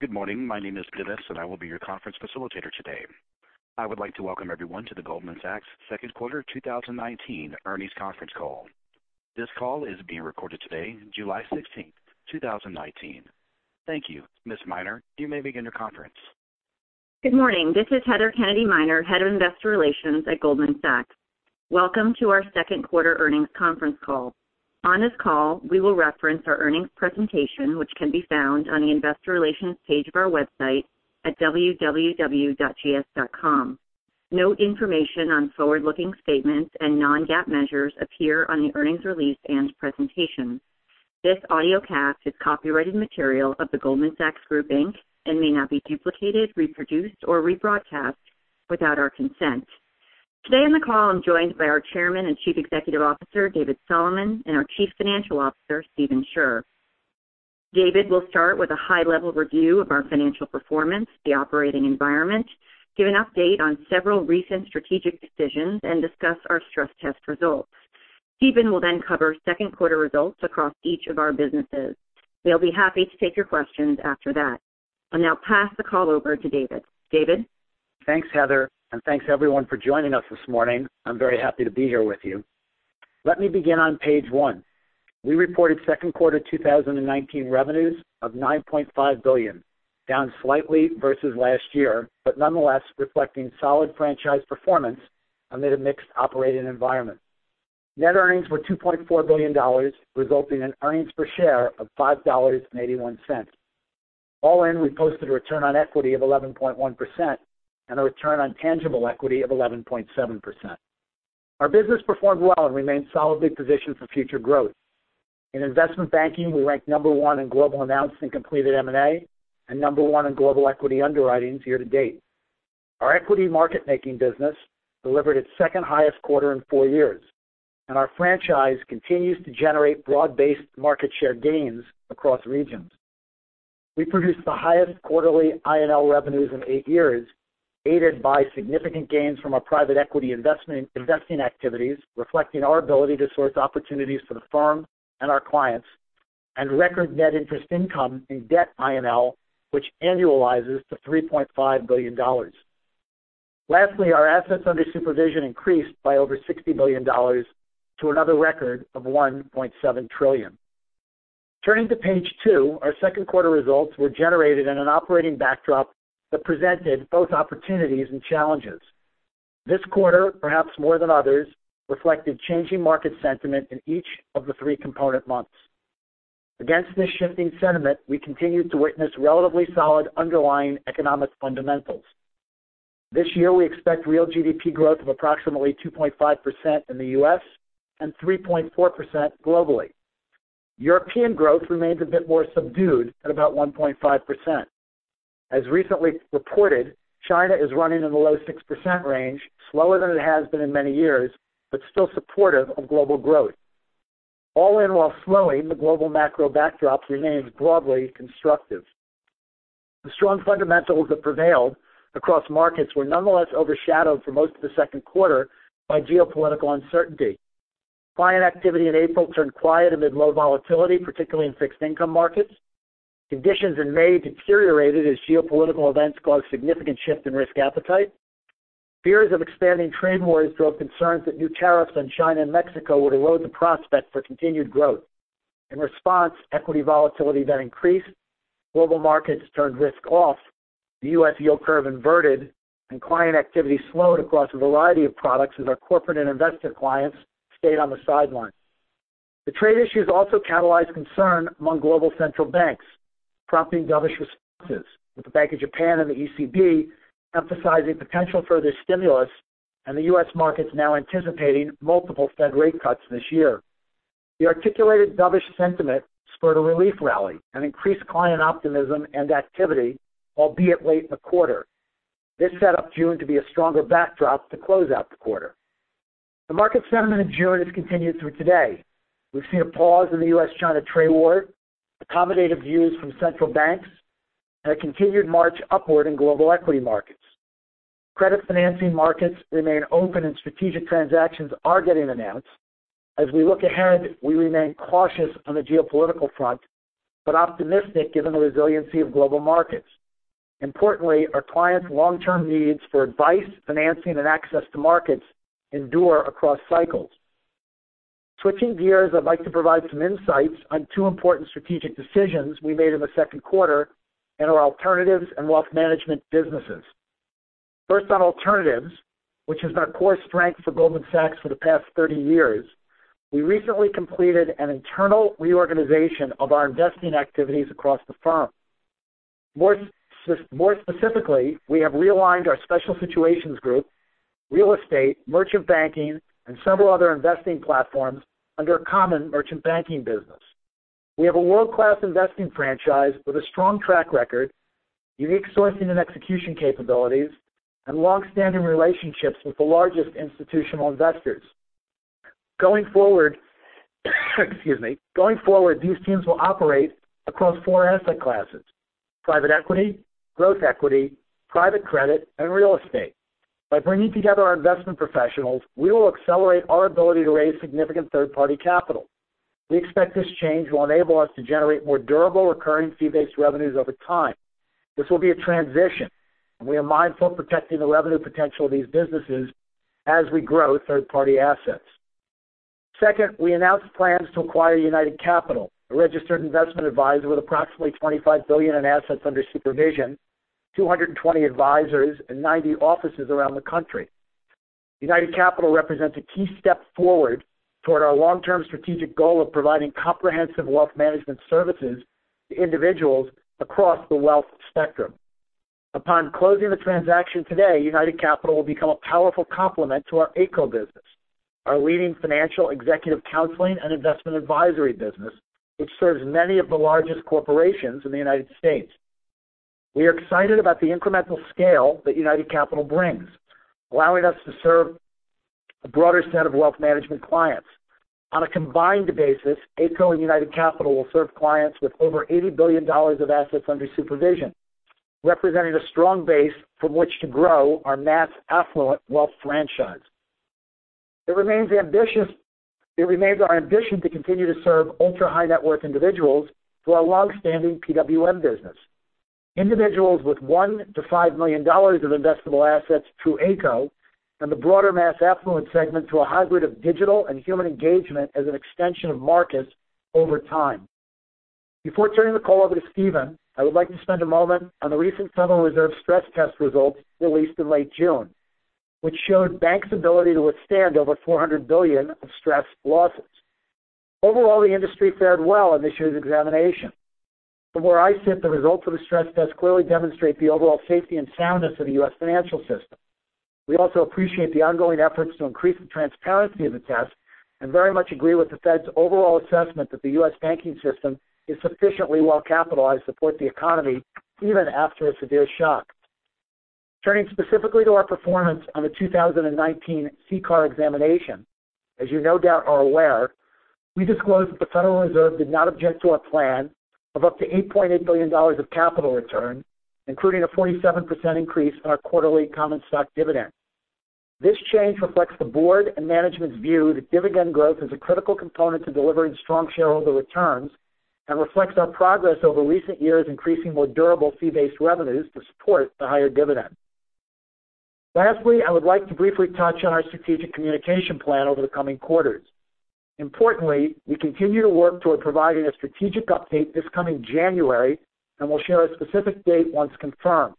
Good morning. My name is Pives, and I will be your conference facilitator today. I would like to welcome everyone to the Goldman Sachs second quarter 2019 earnings conference call. This call is being recorded today, July 16th, 2019. Thank you. Ms. Miner, you may begin your conference. Good morning. This is Heather Kennedy Miner, Head of Investor Relations at Goldman Sachs. Welcome to our second quarter earnings conference call. On this call, we will reference our earnings presentation, which can be found on the investor relations page of our website at www.gs.com. Note information on forward-looking statements and non-GAAP measures appear on the earnings release and presentation. This audiocast is copyrighted material of the Goldman Sachs Group Inc. and may not be duplicated, reproduced, or rebroadcast without our consent. Today on the call, I'm joined by our Chairman and Chief Executive Officer, David Solomon, and our Chief Financial Officer, Stephen Scherr. David will start with a high-level review of our financial performance, the operating environment, give an update on several recent strategic decisions, and discuss our stress test results. Stephen will then cover second-quarter results across each of our businesses. They'll be happy to take your questions after that. I'll now pass the call over to David. David? Thanks, Heather, and thanks, everyone, for joining us this morning. I'm very happy to be here with you. Let me begin on page one. We reported second quarter 2019 revenues of $9.5 billion, down slightly versus last year, but nonetheless reflecting solid franchise performance amid a mixed operating environment. Net earnings were $2.4 billion, resulting in earnings per share of $5.81. All in, we posted a return on equity of 11.1% and a return on tangible equity of 11.7%. Our business performed well and remains solidly positioned for future growth. In investment banking, we ranked number one in global announced and completed M&A and number one in global equity underwritings year-to-date. Our equity market-making business delivered its second highest quarter in four years, and our franchise continues to generate broad-based market share gains across regions. We produced the highest quarterly I&L revenues in eight years, aided by significant gains from our private equity investing activities, reflecting our ability to source opportunities for the firm and our clients, and record net interest income in debt I&L, which annualizes to $3.5 billion. Lastly, our assets under supervision increased by over $60 billion to another record of $1.7 trillion. Turning to page two, our second quarter results were generated in an operating backdrop that presented both opportunities and challenges. This quarter, perhaps more than others, reflected changing market sentiment in each of the three component months. Against this shifting sentiment, we continued to witness relatively solid underlying economic fundamentals. This year, we expect real GDP growth of approximately 2.5% in the U.S. and 3.4% globally. European growth remains a bit more subdued at about 1.5%. As recently reported, China is running in the low 6% range, slower than it has been in many years, but still supportive of global growth. All in while slowing, the global macro backdrop remains broadly constructive. The strong fundamentals that prevailed across markets were nonetheless overshadowed for most of the second quarter by geopolitical uncertainty. Client activity in April turned quiet amid low volatility, particularly in fixed income markets. Conditions in May deteriorated as geopolitical events caused significant shift in risk appetite. Fears of expanding trade wars drove concerns that new tariffs on China and Mexico would erode the prospect for continued growth. In response, equity volatility then increased, global markets turned risk off, the U.S. yield curve inverted, and client activity slowed across a variety of products as our corporate and investor clients stayed on the sidelines. The trade issues also catalyzed concern among global central banks, prompting dovish responses, with the bank of Japan and the ECB emphasizing potential further stimulus and the U.S. markets now anticipating multiple Fed rate cuts this year. The articulated dovish sentiment spurred a relief rally and increased client optimism and activity, albeit late in the quarter. This set up June to be a stronger backdrop to close out the quarter. The market sentiment in June has continued through today. We've seen a pause in the U.S.-China trade war, accommodative views from central banks, and a continued march upward in global equity markets. Credit financing markets remain open and strategic transactions are getting announced. As we look ahead, we remain cautious on the geopolitical front, but optimistic given the resiliency of global markets. Importantly, our clients' long-term needs for advice, financing, and access to markets endure across cycles. Switching gears, I'd like to provide some insights on two important strategic decisions we made in the second quarter in our alternatives and wealth management businesses. First on alternatives, which is our core strength for Goldman Sachs for the past 30 years, we recently completed an internal reorganization of our investing activities across the firm. More specifically, we have realigned our special situations group, real estate, merchant banking, and several other investing platforms under a common merchant banking business. We have a world-class investing franchise with a strong track record, unique sourcing and execution capabilities, and longstanding relationships with the largest institutional investors. Going forward, these teams will operate across four asset classes, private equity, growth equity, private credit, and real estate. By bringing together our investment professionals, we will accelerate our ability to raise significant third-party capital. We expect this change will enable us to generate more durable, recurring fee-based revenues over time. This will be a transition, and we are mindful of protecting the revenue potential of these businesses as we grow third-party assets. Second, we announced plans to acquire United Capital, a registered investment advisor with approximately $25 billion in assets under supervision, 220 advisors, and 90 offices around the country. United Capital represents a key step forward toward our long-term strategic goal of providing comprehensive wealth management services to individuals across the wealth spectrum. Upon closing the transaction today, United Capital will become a powerful complement to our Ayco business, our leading financial executive counseling and investment advisory business, which serves many of the largest corporations in the United States. We are excited about the incremental scale that United Capital brings, allowing us to serve a broader set of wealth management clients. On a combined basis, Ayco and United Capital will serve clients with over $80 billion of assets under supervision, representing a strong base from which to grow our mass affluent wealth franchise. It remains our ambition to continue to serve ultra-high net worth individuals through our long-standing PWM business. Individuals with one to $5 million of investable assets through Ayco and the broader mass affluent segment through a hybrid of digital and human engagement as an extension of Marcus over time. Before turning the call over to Stephen, I would like to spend a moment on the recent Federal Reserve stress test results released in late June, which showed banks' ability to withstand over $400 billion of stressed losses. Overall, the industry fared well in this year's examination. From where I sit, the results of the stress test clearly demonstrate the overall safety and soundness of the U.S. financial system. We also appreciate the ongoing efforts to increase the transparency of the test, and very much agree with the Fed's overall assessment that the U.S. banking system is sufficiently well capitalized to support the economy even after a severe shock. Turning specifically to our performance on the 2019 CCAR examination. As you no doubt are aware, we disclosed that the Federal Reserve did not object to our plan of up to $8.8 billion of capital return, including a 47% increase in our quarterly common stock dividend. This change reflects the board and management's view that dividend growth is a critical component to delivering strong shareholder returns, and reflects our progress over recent years increasing more durable fee-based revenues to support the higher dividend. Lastly, I would like to briefly touch on our strategic communication plan over the coming quarters. Importantly, we continue to work toward providing a strategic update this coming January, and we'll share a specific date once confirmed.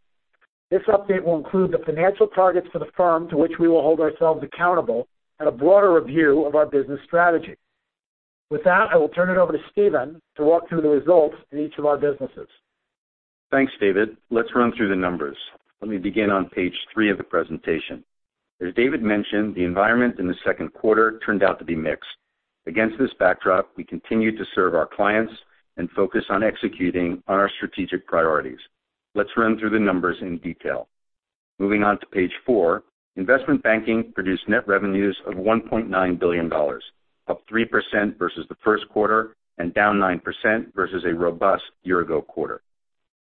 This update will include the financial targets for the firm to which we will hold ourselves accountable and a broader review of our business strategy. With that, I will turn it over to Stephen to walk through the results in each of our businesses. Thanks, David. Let's run through the numbers. Let me begin on page three of the presentation. As David mentioned, the environment in the second quarter turned out to be mixed. Against this backdrop, we continue to serve our clients and focus on executing on our strategic priorities. Let's run through the numbers in detail. Moving on to page four, investment banking produced net revenues of $1.9 billion, up 3% versus the first quarter and down 9% versus a robust year-ago quarter.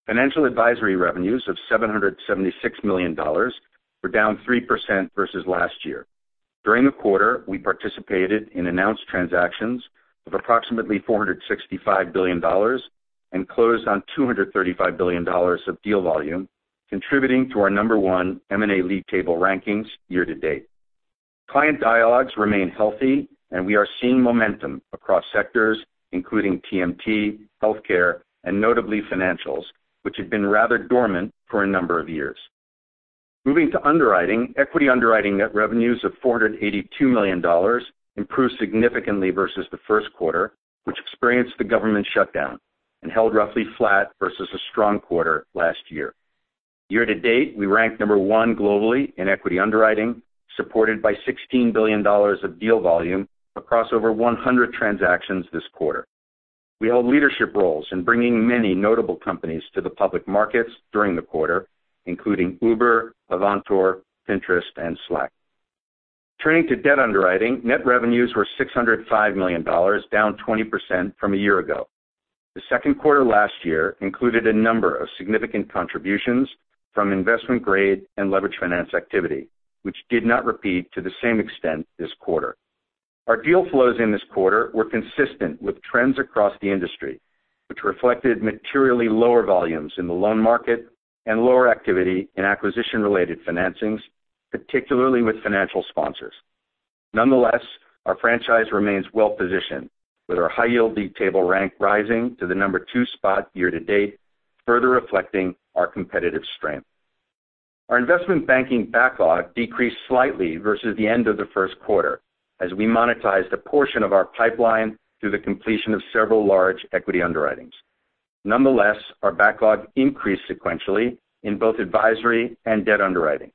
Financial advisory revenues of $776 million were down 3% versus last year. During the quarter, we participated in announced transactions of approximately $465 billion and closed on $235 billion of deal volume, contributing to our number one M&A league table rankings year to date. Client dialogues remain healthy. We are seeing momentum across sectors including TMT, healthcare, and notably financials, which had been rather dormant for a number of years. Moving to underwriting, equity underwriting net revenues of $482 million improved significantly versus the first quarter, which experienced the government shutdown, and held roughly flat versus a strong quarter last year. Year to date, we rank number one globally in equity underwriting, supported by $16 billion of deal volume across over 100 transactions this quarter. We held leadership roles in bringing many notable companies to the public markets during the quarter, including Uber, Avantor, Pinterest, and Slack. Turning to debt underwriting, net revenues were $605 million, down 20% from a year ago. The second quarter last year included a number of significant contributions from investment-grade and leverage finance activity, which did not repeat to the same extent this quarter. Our deal flows in this quarter were consistent with trends across the industry, which reflected materially lower volumes in the loan market and lower activity in acquisition-related financings, particularly with financial sponsors. Nonetheless, our franchise remains well-positioned, with our high yield league table rank rising to the number two spot year-to-date, further reflecting our competitive strength. Our investment banking backlog decreased slightly versus the end of the first quarter as we monetized a portion of our pipeline through the completion of several large equity underwritings. Nonetheless, our backlog increased sequentially in both advisory and debt underwriting.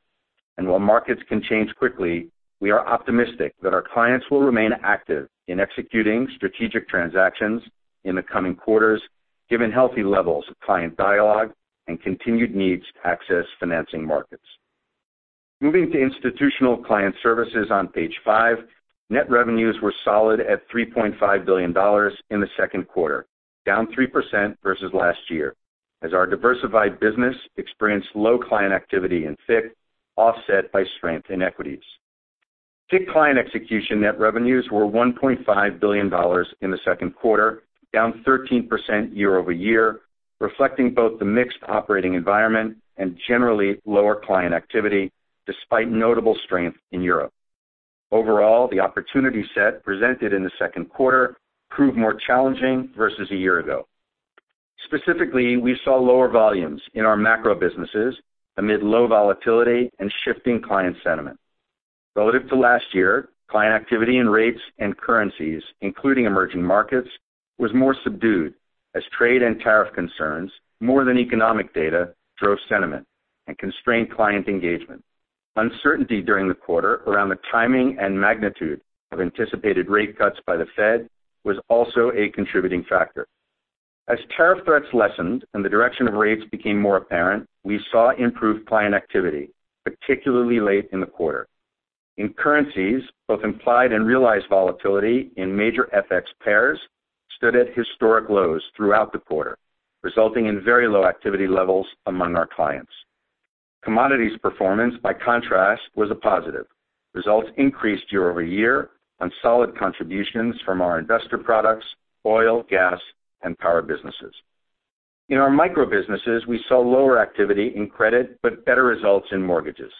While markets can change quickly, we are optimistic that our clients will remain active in executing strategic transactions in the coming quarters, given healthy levels of client dialogue and continued needs to access financing markets. Moving to institutional client services on page five, net revenues were solid at $3.5 billion in the second quarter, down 3% versus last year, as our diversified business experienced low client activity in FICC, offset by strength in equities. FICC client execution net revenues were $1.5 billion in the second quarter, down 13% year-over-year, reflecting both the mixed operating environment and generally lower client activity, despite notable strength in Europe. Overall, the opportunity set presented in the second quarter proved more challenging versus a year ago. Specifically, we saw lower volumes in our macro businesses amid low volatility and shifting client sentiment. Relative to last year, client activity in rates and currencies, including emerging markets, was more subdued as trade and tariff concerns, more than economic data, drove sentiment and constrained client engagement. Uncertainty during the quarter around the timing and magnitude of anticipated rate cuts by the Fed was also a contributing factor. Tariff threats lessened and the direction of rates became more apparent, we saw improved client activity, particularly late in the quarter. In currencies, both implied and realized volatility in major FX pairs stood at historic lows throughout the quarter, resulting in very low activity level among our clients. Commodities performance, by contrast, was a positive. Results increased year-over-year on solid contributions from our investor products, oil, gas, and power businesses. In our micro businesses, we saw lower activity in credit but better results in mortgages.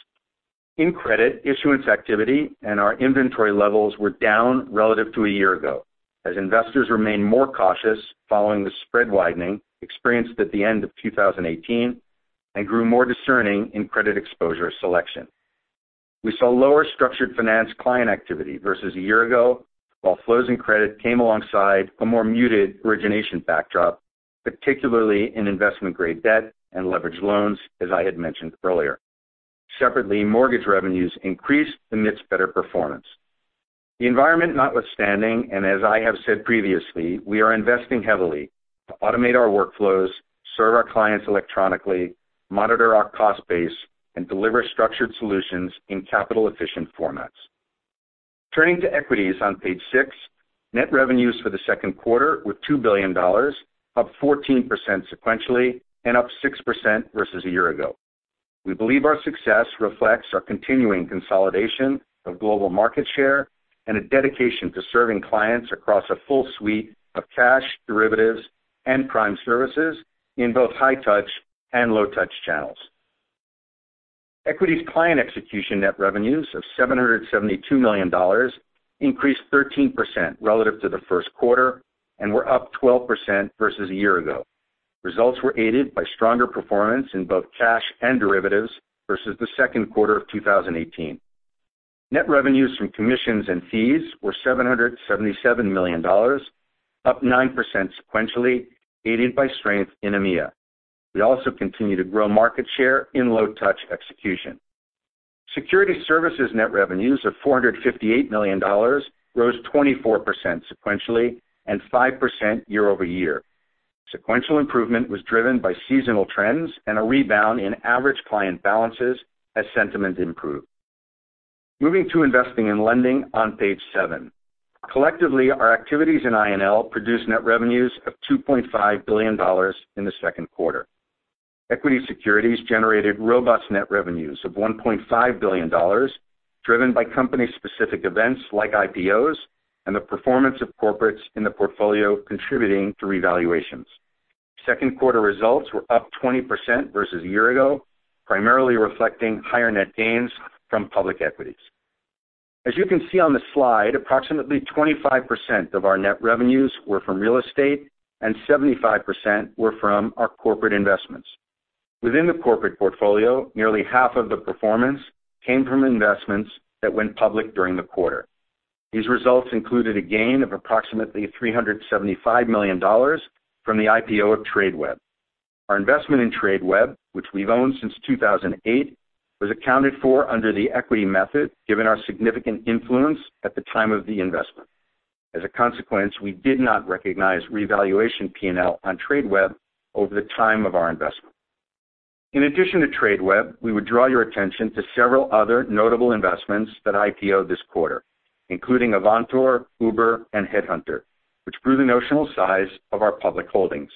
In credit, issuance activity and our inventory levels were down relative to a year ago as investors remained more cautious following the spread widening experienced at the end of 2018 and grew more discerning in credit exposure selection. We saw lower structured finance client activity versus a year ago, while flows in credit came alongside a more muted origination backdrop, particularly in investment-grade debt and leverage loans, as I had mentioned earlier. Separately, mortgage revenues increased amidst better performance. The environment notwithstanding, as I have said previously, we are investing heavily to automate our workflows, serve our clients electronically, monitor our cost base, and deliver structured solutions in capital-efficient formats. Turning to equities on page six, net revenues for the second quarter were $2 billion, up 14% sequentially and up 6% versus a year ago. We believe our success reflects our continuing consolidation of global market share and a dedication to serving clients across a full suite of cash, derivatives, and prime services in both high-touch and low-touch channels. Equities client execution net revenues of $772 million increased 13% relative to the first quarter and were up 12% versus a year ago. Results were aided by stronger performance in both cash and derivatives versus the second quarter of 2018. Net revenues from commissions and fees were $777 million, up 9% sequentially, aided by strength in EMEA. We also continue to grow market share in low-touch execution. Security services net revenues of $458 million rose 24% sequentially and 5% year-over-year. Sequential improvement was driven by seasonal trends and a rebound in average client balances as sentiment improved. Moving to investing and lending on page seven. Collectively, our activities in I&L produced net revenues of $2.5 billion in the second quarter. Equity securities generated robust net revenues of $1.5 billion, driven by company-specific events like IPOs and the performance of corporates in the portfolio contributing to revaluations. Second quarter results were up 20% versus a year ago, primarily reflecting higher net gains from public equities. As you can see on the slide, approximately 25% of our net revenues were from real estate, and 75% were from our corporate investments. Within the corporate portfolio, nearly half of the performance came from investments that went public during the quarter. These results included a gain of approximately $375 million from the IPO of Tradeweb. Our investment in Tradeweb, which we've owned since 2008, was accounted for under the equity method given our significant influence at the time of the investment. As a consequence, we did not recognize revaluation P&L on Tradeweb over the time of our investment. In addition to Tradeweb, we would draw your attention to several other notable investments that IPO'd this quarter, including Avantor, Uber, and Headhunter, which grew the notional size of our public holdings.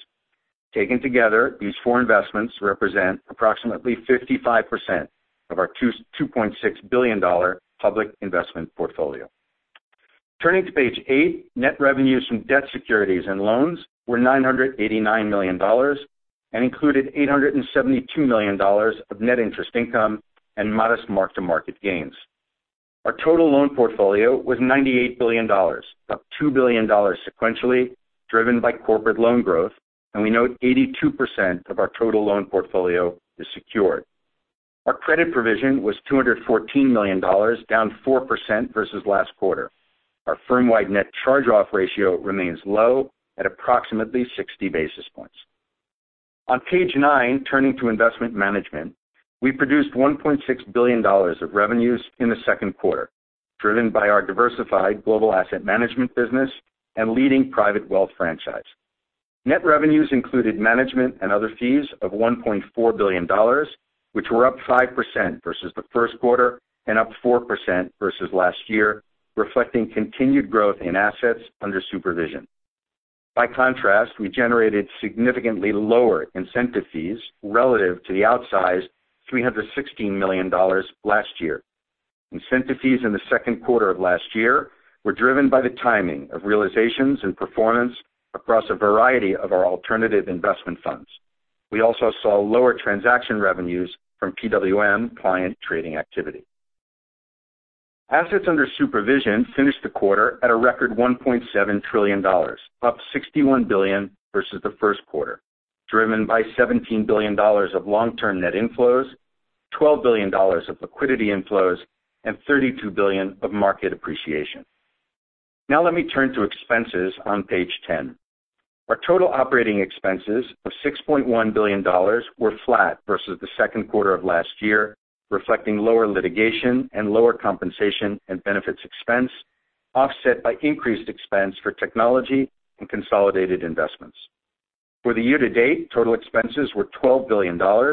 Taken together, these four investments represent approximately 55% of our $2.6 billion public investment portfolio. Turning to page eight, net revenues from debt securities and loans were $989 million and included $872 million of net interest income and modest mark-to-market gains. Our total loan portfolio was $98 billion, up $2 billion sequentially, driven by corporate loan growth, and we note 82% of our total loan portfolio is secured. Our credit provision was $214 million, down 4% versus last quarter. Our firm-wide net charge-off ratio remains low at approximately 60 basis points. On page nine, turning to investment management, we produced $1.6 billion of revenues in the second quarter, driven by our diversified global asset management business and leading private wealth franchise. Net revenues included management and other fees of $1.4 billion, which were up 5% versus the first quarter and up 4% versus last year, reflecting continued growth in assets under supervision. By contrast, we generated significantly lower incentive fees relative to the outsized $316 million last year. Incentive fees in the second quarter of last year were driven by the timing of realizations and performance across a variety of our alternative investment funds. We also saw lower transaction revenues from PWM client trading activity. Assets under supervision finished the quarter at a record $1.7 trillion, up $61 billion versus the first quarter, driven by $17 billion of long-term net inflows, $12 billion of liquidity inflows, and $32 billion of market appreciation. Let me turn to expenses on page 10. Our total operating expenses of $6.1 billion were flat versus the second quarter of last year, reflecting lower litigation and lower compensation and benefits expense, offset by increased expense for technology and consolidated investments. For the year-to-date, total expenses were $12 billion, down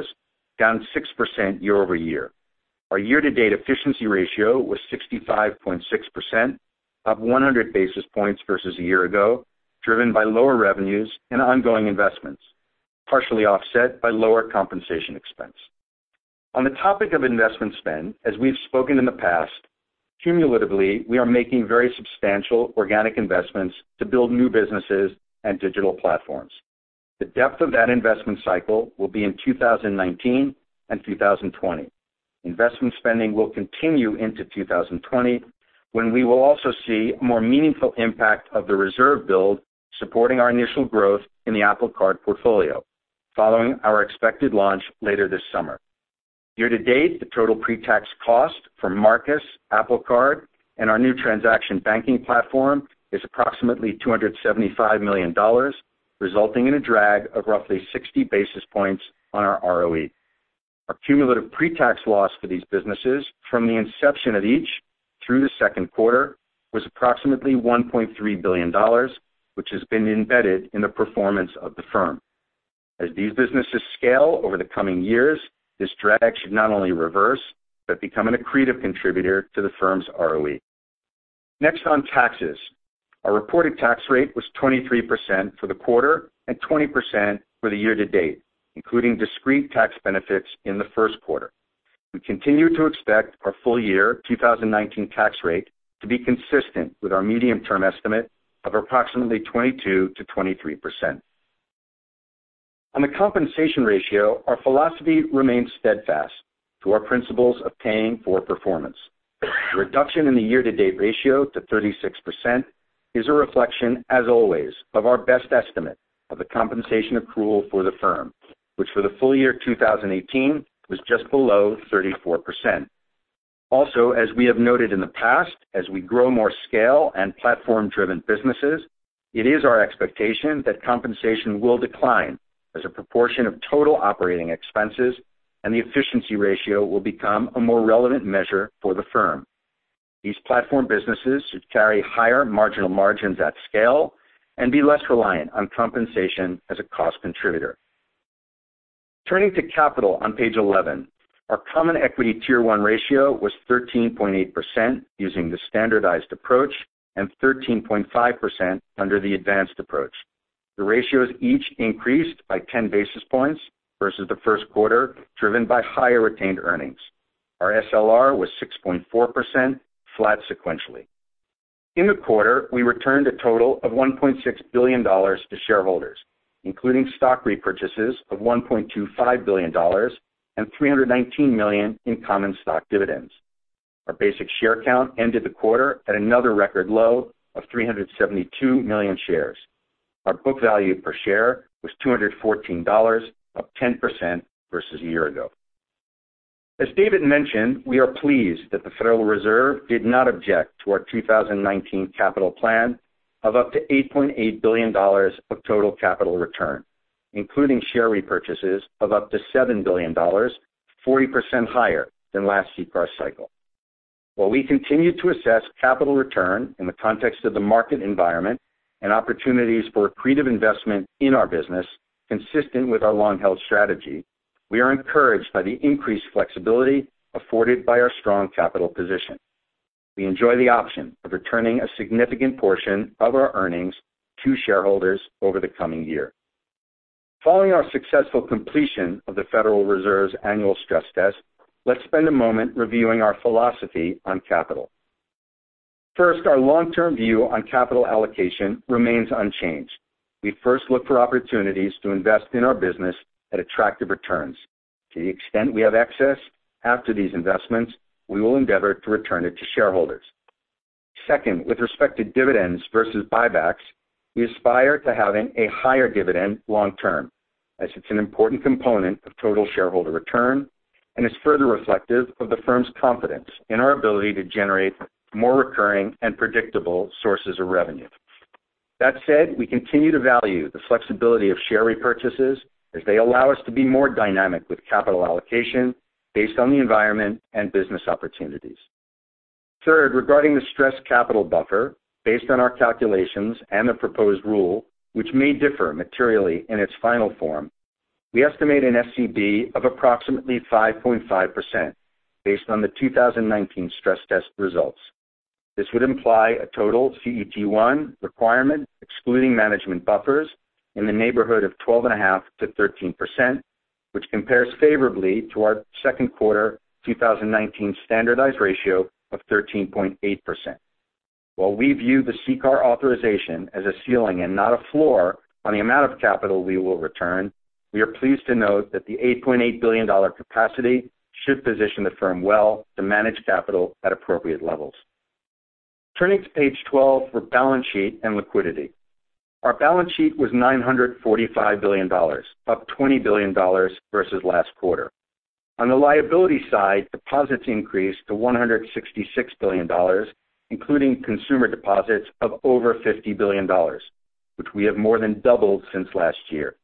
6% year-over-year. Our year-to-date efficiency ratio was 65.6%, up 100 basis points versus a year ago, driven by lower revenues and ongoing investments, partially offset by lower compensation expense. On the topic of investment spend, as we've spoken in the past, cumulatively, we are making very substantial organic investments to build new businesses and digital platforms. The depth of that investment cycle will be in 2019 and 2020. Investment spending will continue into 2020, when we will also see more meaningful impact of the reserve build supporting our initial growth in the Apple Card portfolio, following our expected launch later this summer. Year-to-date, the total pre-tax cost for Marcus, Apple Card, and our new transaction banking platform is approximately $275 million, resulting in a drag of roughly 60 basis points on our ROE. Our cumulative pre-tax loss for these businesses, from the inception of each through the second quarter, was approximately $1.3 billion, which has been embedded in the performance of the firm. As these businesses scale over the coming years, this drag should not only reverse, but become an accretive contributor to the firm's ROE. Next, on taxes. Our reported tax rate was 23% for the quarter and 20% for the year-to-date, including discrete tax benefits in the first quarter. We continue to expect our full year 2019 tax rate to be consistent with our medium-term estimate of approximately 22%-23%. On the compensation ratio, our philosophy remains steadfast to our principles of paying for performance. The reduction in the year-to-date ratio to 36% is a reflection, as always, of our best estimate of the compensation accrual for the firm, which for the full year 2018 was just below 34%. As we have noted in the past, as we grow more scale and platform-driven businesses, it is our expectation that compensation will decline as a proportion of total operating expenses and the efficiency ratio will become a more relevant measure for the firm. These platform businesses should carry higher marginal margins at scale and be less reliant on compensation as a cost contributor. Turning to capital on page 11. Our common equity Tier 1 ratio was 13.8% using the standardized approach and 13.5% under the advanced approach. The ratios each increased by 10 basis points versus the first quarter, driven by higher retained earnings. Our SLR was 6.4%, flat sequentially. In the quarter, we returned a total of $1.6 billion to shareholders, including stock repurchases of $1.25 billion and $319 million in common stock dividends. Our basic share count ended the quarter at another record low of 372 million shares. Our book value per share was $214, up 10% versus a year ago. As David mentioned, we are pleased that the Federal Reserve did not object to our 2019 capital plan of up to $8.8 billion of total capital return, including share repurchases of up to $7 billion, 40% higher than last CPR cycle. While we continue to assess capital return in the context of the market environment and opportunities for accretive investment in our business, consistent with our long-held strategy, we are encouraged by the increased flexibility afforded by our strong capital position. We enjoy the option of returning a significant portion of our earnings to shareholders over the coming year. Following our successful completion of the Federal Reserve's annual stress test, let's spend a moment reviewing our philosophy on capital. Our long-term view on capital allocation remains unchanged. We first look for opportunities to invest in our business at attractive returns. To the extent we have excess after these investments, we will endeavor to return it to shareholders. With respect to dividends versus buybacks, we aspire to having a higher dividend long term, as it's an important component of total shareholder return and is further reflective of the firm's confidence in our ability to generate more recurring and predictable sources of revenue. That said, we continue to value the flexibility of share repurchases, as they allow us to be more dynamic with capital allocation based on the environment and business opportunities. Regarding the stress capital buffer, based on our calculations and the proposed rule, which may differ materially in its final form, we estimate an SCB of approximately 5.5% based on the 2019 stress test results. This would imply a total CET1 requirement, excluding management buffers, in the neighborhood of 12.5%-13%, which compares favorably to our second quarter 2019 standardized ratio of 13.8%. While we view the CCAR authorization as a ceiling and not a floor on the amount of capital we will return, we are pleased to note that the $8.8 billion capacity should position the firm well to manage capital at appropriate levels. Turning to page 12 for balance sheet and liquidity. Our balance sheet was $945 billion, up $20 billion versus last quarter. On the liability side, deposits increased to $166 billion, including consumer deposits of over $50 billion, which we have more than doubled since last year.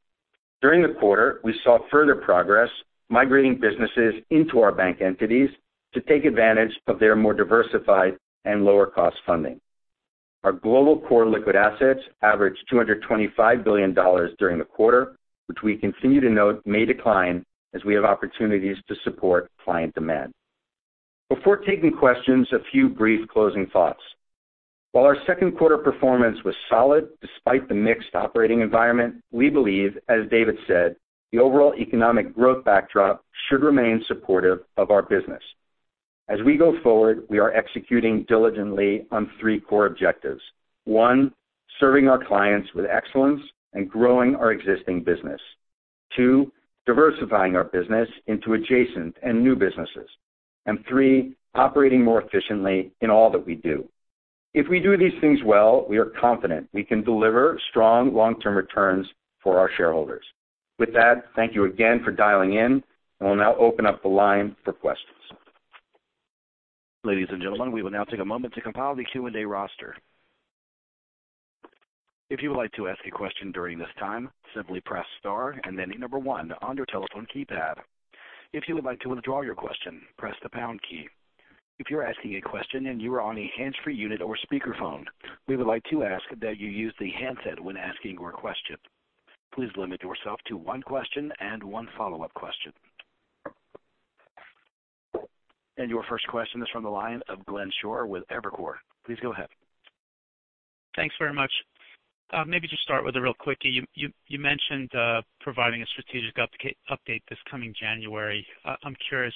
During the quarter, we saw further progress migrating businesses into our bank entities to take advantage of their more diversified and lower-cost funding. Our global core liquid assets averaged $225 billion during the quarter, which we continue to note may decline as we have opportunities to support client demand. Before taking questions, a few brief closing thoughts. While our second quarter performance was solid despite the mixed operating environment, we believe, as David said, the overall economic growth backdrop should remain supportive of our business. As we go forward, we are executing diligently on three core objectives. One, serving our clients with excellence and growing our existing business. Two, diversifying our business into adjacent and new businesses. Three, operating more efficiently in all that we do. If we do these things well, we are confident we can deliver strong long-term returns for our shareholders. With that, thank you again for dialing in, and we'll now open up the line for questions. Ladies and gentlemen, we will now take a moment to compile the Q&A roster. If you would like to ask a question during this time, simply press star and then the number one on your telephone keypad. If you would like to withdraw your question, press the pound key. If you're asking a question and you are on a hands-free unit or speakerphone, we would like to ask that you use the handset when asking your question. Please limit yourself to one question and one follow-up question. Your first question is from the line of Glenn Schorr with Evercore. Please go ahead. Thanks very much. Maybe just start with a real quickie. You mentioned providing a strategic update this coming January. I'm curious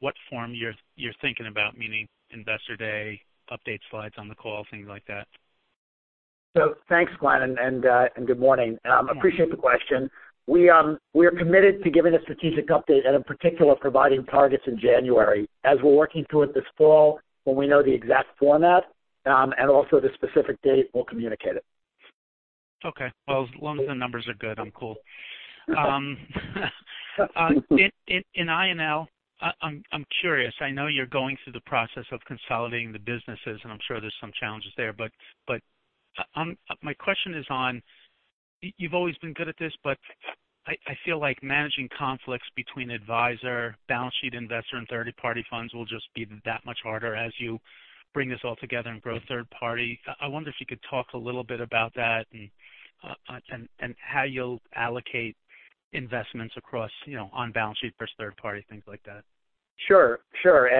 what form you're thinking about, meaning Investor Day, update slides on the call, things like that. Thanks, Glenn, and good morning. I appreciate the question. We are committed to giving a strategic update and in particular, providing targets in January. As we're working through it this fall, when we know the exact format, and also the specific date, we'll communicate it. Okay. As long as the numbers are good, I'm cool. In I&L, I'm curious, I know you're going through the process of consolidating the businesses, and I'm sure there's some challenges there, but my question is on, you've always been good at this, but I feel like managing conflicts between advisor, balance sheet investor, and third-party funds will just be that much harder as you bring this all together and grow third party. I wonder if you could talk a little bit about that and how you'll allocate investments across on balance sheet versus third party, things like that. Sure. Sure.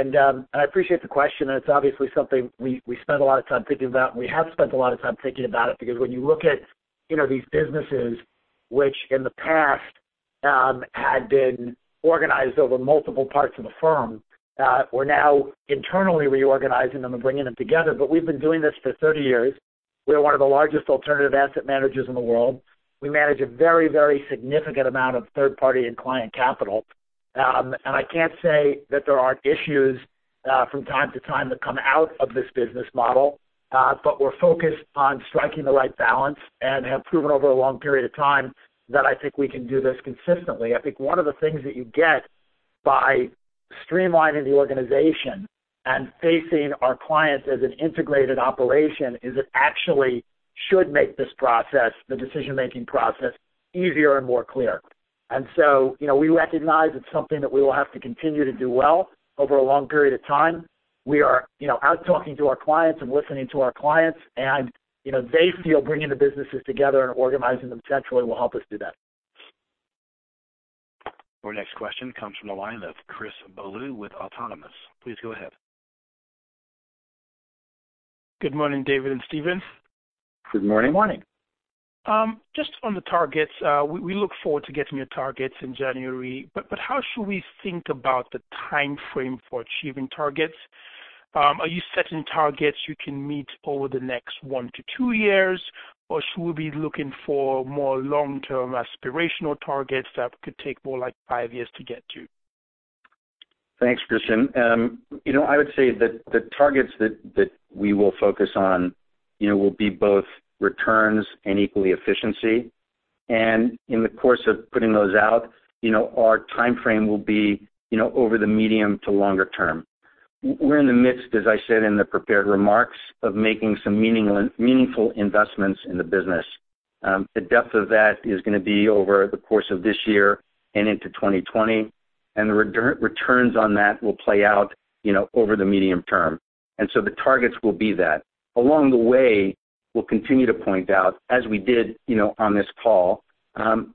I appreciate the question, and it's obviously something we spend a lot of time thinking about, and we have spent a lot of time thinking about it because when you look at these businesses which in the past had been organized over multiple parts of the firm, we're now internally reorganizing them and bringing them together. We've been doing this for 30 years. We are one of the largest alternative asset managers in the world. We manage a very significant amount of third-party and client capital. I can't say that there aren't issues from time to time that come out of this business model, but we're focused on striking the right balance and have proven over a long period of time that I think we can do this consistently. I think one of the things that you get by streamlining the organization and facing our clients as an integrated operation is it actually should make this process, the decision-making process, easier and more clear. We recognize it's something that we will have to continue to do well over a long period of time. We are out talking to our clients and listening to our clients, they feel bringing the businesses together and organizing them centrally will help us do that. Our next question comes from the line of Christian Bolu with Autonomous. Please go ahead. Good morning, David and Stephen. Good morning. Good morning. Just on the targets, we look forward to getting your targets in January. How should we think about the timeframe for achieving targets? Are you setting targets you can meet over the next one to two years, or should we be looking for more long-term aspirational targets that could take more like five years to get to? Thanks, Christian. I would say that the targets that we will focus on will be both returns and equally efficiency. In the course of putting those out, our timeframe will be over the medium to longer term. We're in the midst, as I said in the prepared remarks, of making some meaningful investments in the business. The depth of that is going to be over the course of this year and into 2020. The returns on that will play out over the medium term. So the targets will be that. Along the way, we'll continue to point out, as we did on this call,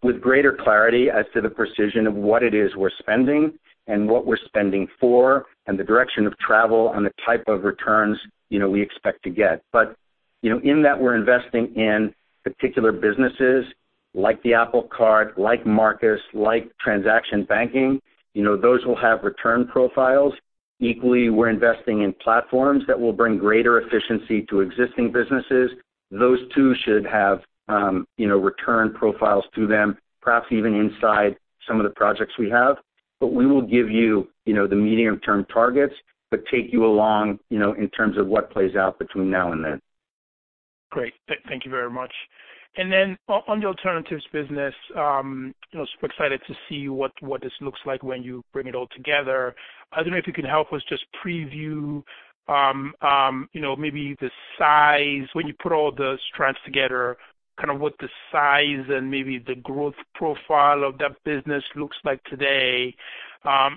with greater clarity as to the precision of what it is we're spending and what we're spending for, and the direction of travel and the type of returns we expect to get. In that, we're investing in particular businesses like the Apple Card, like Marcus, like transaction banking. Those will have return profiles. Equally, we're investing in platforms that will bring greater efficiency to existing businesses. Those, too, should have return profiles to them. Perhaps even inside some of the projects we have. We will give you the medium-term targets, but take you along in terms of what plays out between now and then. Great. Thank you very much. On the alternatives business, super excited to see what this looks like when you bring it all together. I don't know if you can help us just preview maybe the size when you put all the strands together, what the size and maybe the growth profile of that business looks like today.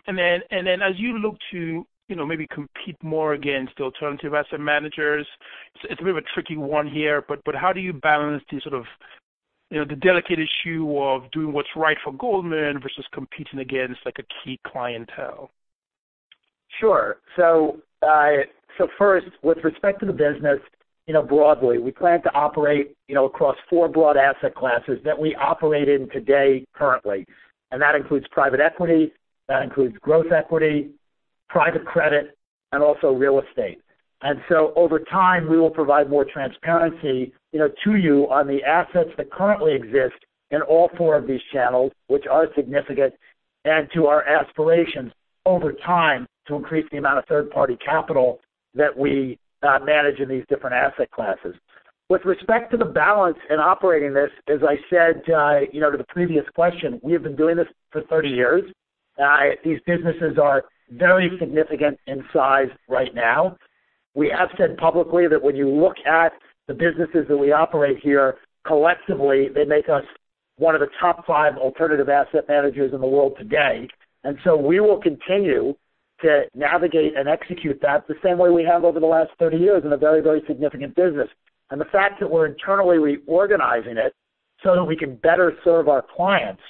Then as you look to maybe compete more against alternative asset managers, it's a bit of a tricky one here, but how do you balance the delicate issue of doing what's right for Goldman versus competing against a key clientele? Sure. First, with respect to the business, broadly, we plan to operate across four broad asset classes that we operate in today currently. That includes private equity, that includes growth equity, private credit, and also real estate. Over time, we will provide more transparency to you on the assets that currently exist in all four of these channels, which are significant, and to our aspirations over time to increase the amount of third-party capital that we manage in these different asset classes. With respect to the balance in operating this, as I said to the previous question, we have been doing this for 30 years. These businesses are very significant in size right now. We have said publicly that when you look at the businesses that we operate here, collectively, they make us one of the top five alternative asset managers in the world today. We will continue to navigate and execute that the same way we have over the last 30 years in a very, very significant business. The fact that we're internally reorganizing it so that we can better serve our clients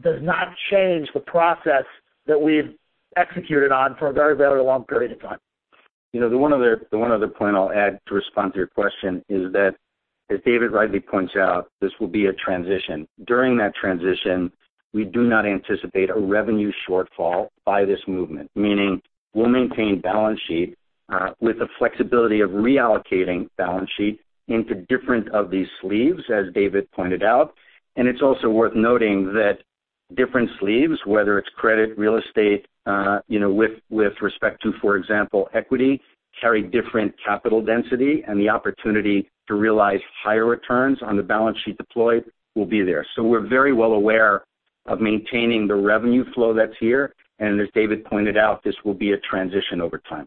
does not change the process that we've executed on for a very, very long period of time. The one other point I'll add to respond to your question is that, as David rightly points out, this will be a transition. During that transition, we do not anticipate a revenue shortfall by this movement, meaning we'll maintain balance sheet with the flexibility of reallocating balance sheet into different of these sleeves, as David pointed out. It's also worth noting that different sleeves, whether it's credit, real estate with respect to, for example, equity, carry different capital density, and the opportunity to realize higher returns on the balance sheet deployed will be there. We're very well aware of maintaining the revenue flow that's here, and as David pointed out, this will be a transition over time.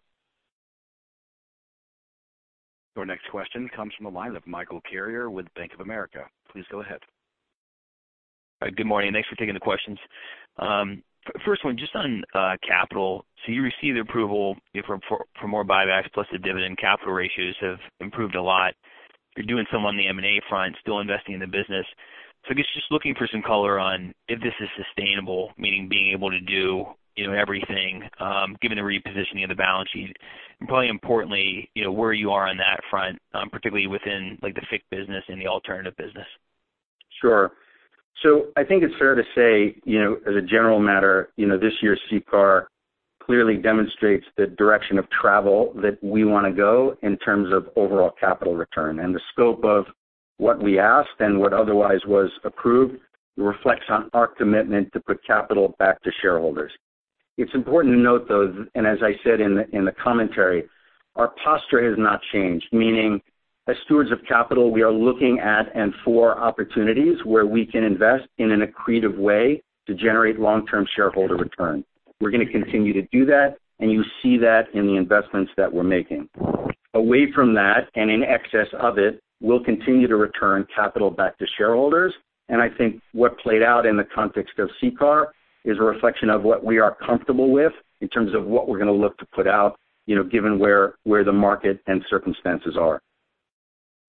Your next question comes from the line of Michael Carrier with Bank of America. Please go ahead. Good morning. Thanks for taking the questions. First one, just on capital. You received approval for more buybacks plus the dividend capital ratios have improved a lot. You're doing some on the M&A front, still investing in the business. I guess just looking for some color on if this is sustainable, meaning being able to do everything given the repositioning of the balance sheet. Probably importantly, where you are on that front, particularly within the FICC business and the alternative business. Sure. I think it's fair to say, as a general matter, this year's CCAR clearly demonstrates the direction of travel that we want to go in terms of overall capital return. The scope of what we asked and what otherwise was approved reflects on our commitment to put capital back to shareholders. It's important to note, though, and as I said in the commentary, our posture has not changed, meaning as stewards of capital, we are looking at and for opportunities where we can invest in an accretive way to generate long-term shareholder return. We're going to continue to do that, and you see that in the investments that we're making. Away from that and in excess of it, we'll continue to return capital back to shareholders. I think what played out in the context of CCAR is a reflection of what we are comfortable with in terms of what we're going to look to put out given where the market and circumstances are.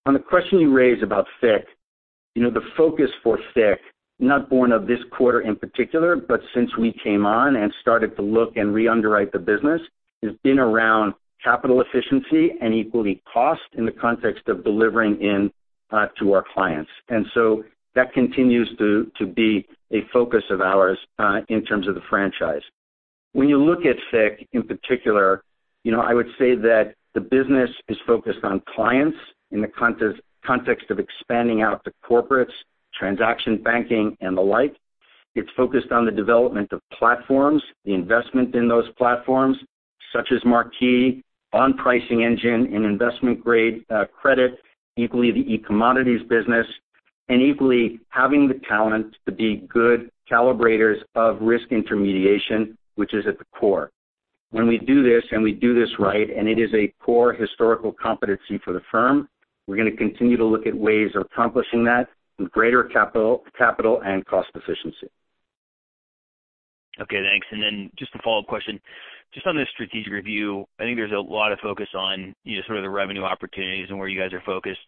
On the question you raised about FICC, the focus for FICC, not born of this quarter in particular, but since we came on and started to look and re-underwrite the business, has been around capital efficiency and equally cost in the context of delivering in to our clients. That continues to be a focus of ours in terms of the franchise. When you look at FICC in particular, I would say that the business is focused on clients in the context of expanding out to corporates, transaction banking, and the like. It's focused on the development of platforms, the investment in those platforms, such as Marquee, on pricing engine and investment-grade credit, equally the e-commodities business, and equally having the talent to be good calibrators of risk intermediation, which is at the core. When we do this, and we do this right, and it is a core historical competency for the firm, we're going to continue to look at ways of accomplishing that with greater capital and cost efficiency. Okay, thanks. Just a follow-up question. Just on the strategic review, I think there's a lot of focus on sort of the revenue opportunities and where you guys are focused.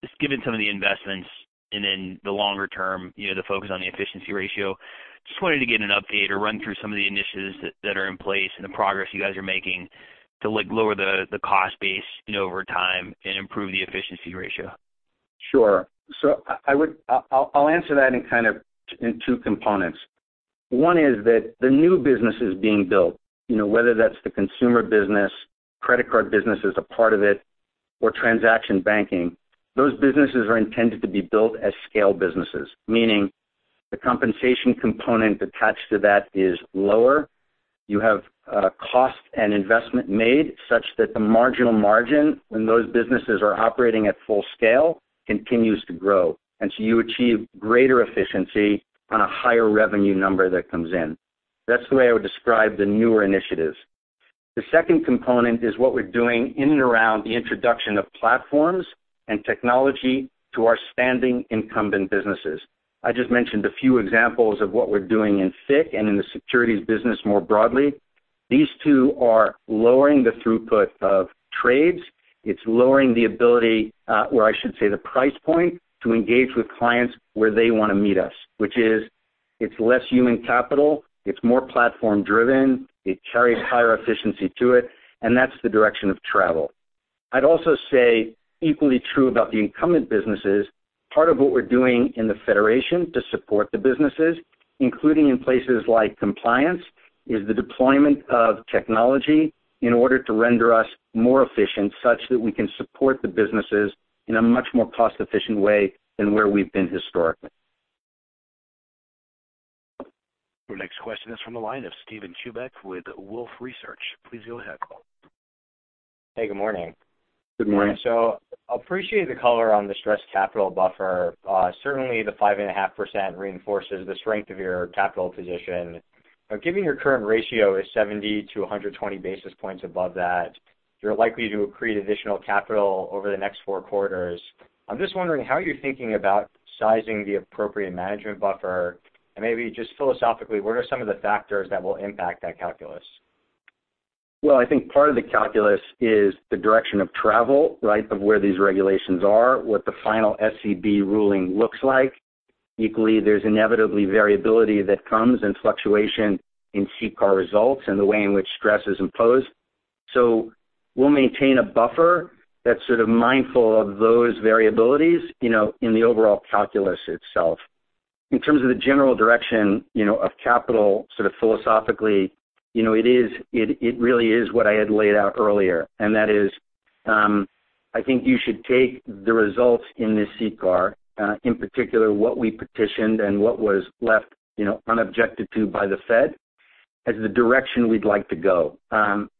Just given some of the investments and then the longer term, the focus on the efficiency ratio, just wanted to get an update or run through some of the initiatives that are in place and the progress you guys are making to lower the cost base over time and improve the efficiency ratio. Sure. I'll answer that in kind of two components. One is that the new businesses being built, whether that's the consumer business, credit card business as a part of it, or transaction banking, those businesses are intended to be built as scale businesses. Meaning the compensation component attached to that is lower. You have cost and investment made such that the marginal margin when those businesses are operating at full scale continues to grow. You achieve greater efficiency on a higher revenue number that comes in. That's the way I would describe the newer initiatives. The second component is what we're doing in and around the introduction of platforms and technology to our standing incumbent businesses. I just mentioned a few examples of what we're doing in FICC and in the securities business more broadly. These two are lowering the throughput of trades. It's lowering the ability, or I should say, the price point to engage with clients where they want to meet us, which is it's less human capital, it's more platform-driven, it carries higher efficiency to it, and that's the direction of travel. I'd also say equally true about the incumbent businesses, part of what we're doing in the federation to support the businesses, including in places like compliance, is the deployment of technology in order to render us more efficient, such that we can support the businesses in a much more cost-efficient way than where we've been historically. Your next question is from the line of Steven Chubak with Wolfe Research. Please go ahead. Hey, good morning. Good morning. I appreciate the color on the stress capital buffer. Certainly, the 5.5% reinforces the strength of your capital position. Given your current ratio is 70-120 basis points above that, you're likely to accrete additional capital over the next four quarters. I'm just wondering how you're thinking about sizing the appropriate management buffer, and maybe just philosophically, what are some of the factors that will impact that calculus? Well, I think part of the calculus is the direction of travel, right, of where these regulations are, what the final SCB ruling looks like. Equally, there's inevitably variability that comes and fluctuation in CCAR results and the way in which stress is imposed. We'll maintain a buffer that's sort of mindful of those variabilities in the overall calculus itself. In terms of the general direction of capital sort of philosophically, it really is what I had laid out earlier, and that is, I think you should take the results in this CCAR, in particular what we petitioned and what was left unobjected to by the Fed, as the direction we'd like to go.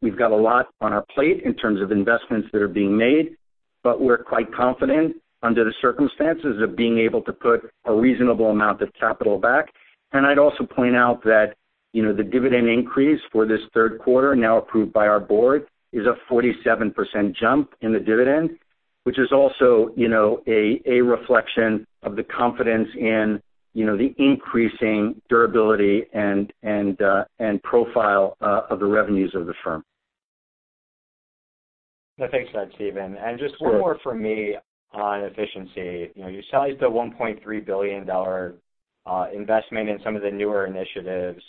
We've got a lot on our plate in terms of investments that are being made, but we're quite confident under the circumstances of being able to put a reasonable amount of capital back. I'd also point out that the dividend increase for this third quarter, now approved by our board, is a 47% jump in the dividend, which is also a reflection of the confidence in the increasing durability and profile of the revenues of the firm. Thanks for that, Steven. Just one more from me on efficiency. You sized a $1.3 billion investment in some of the newer initiatives.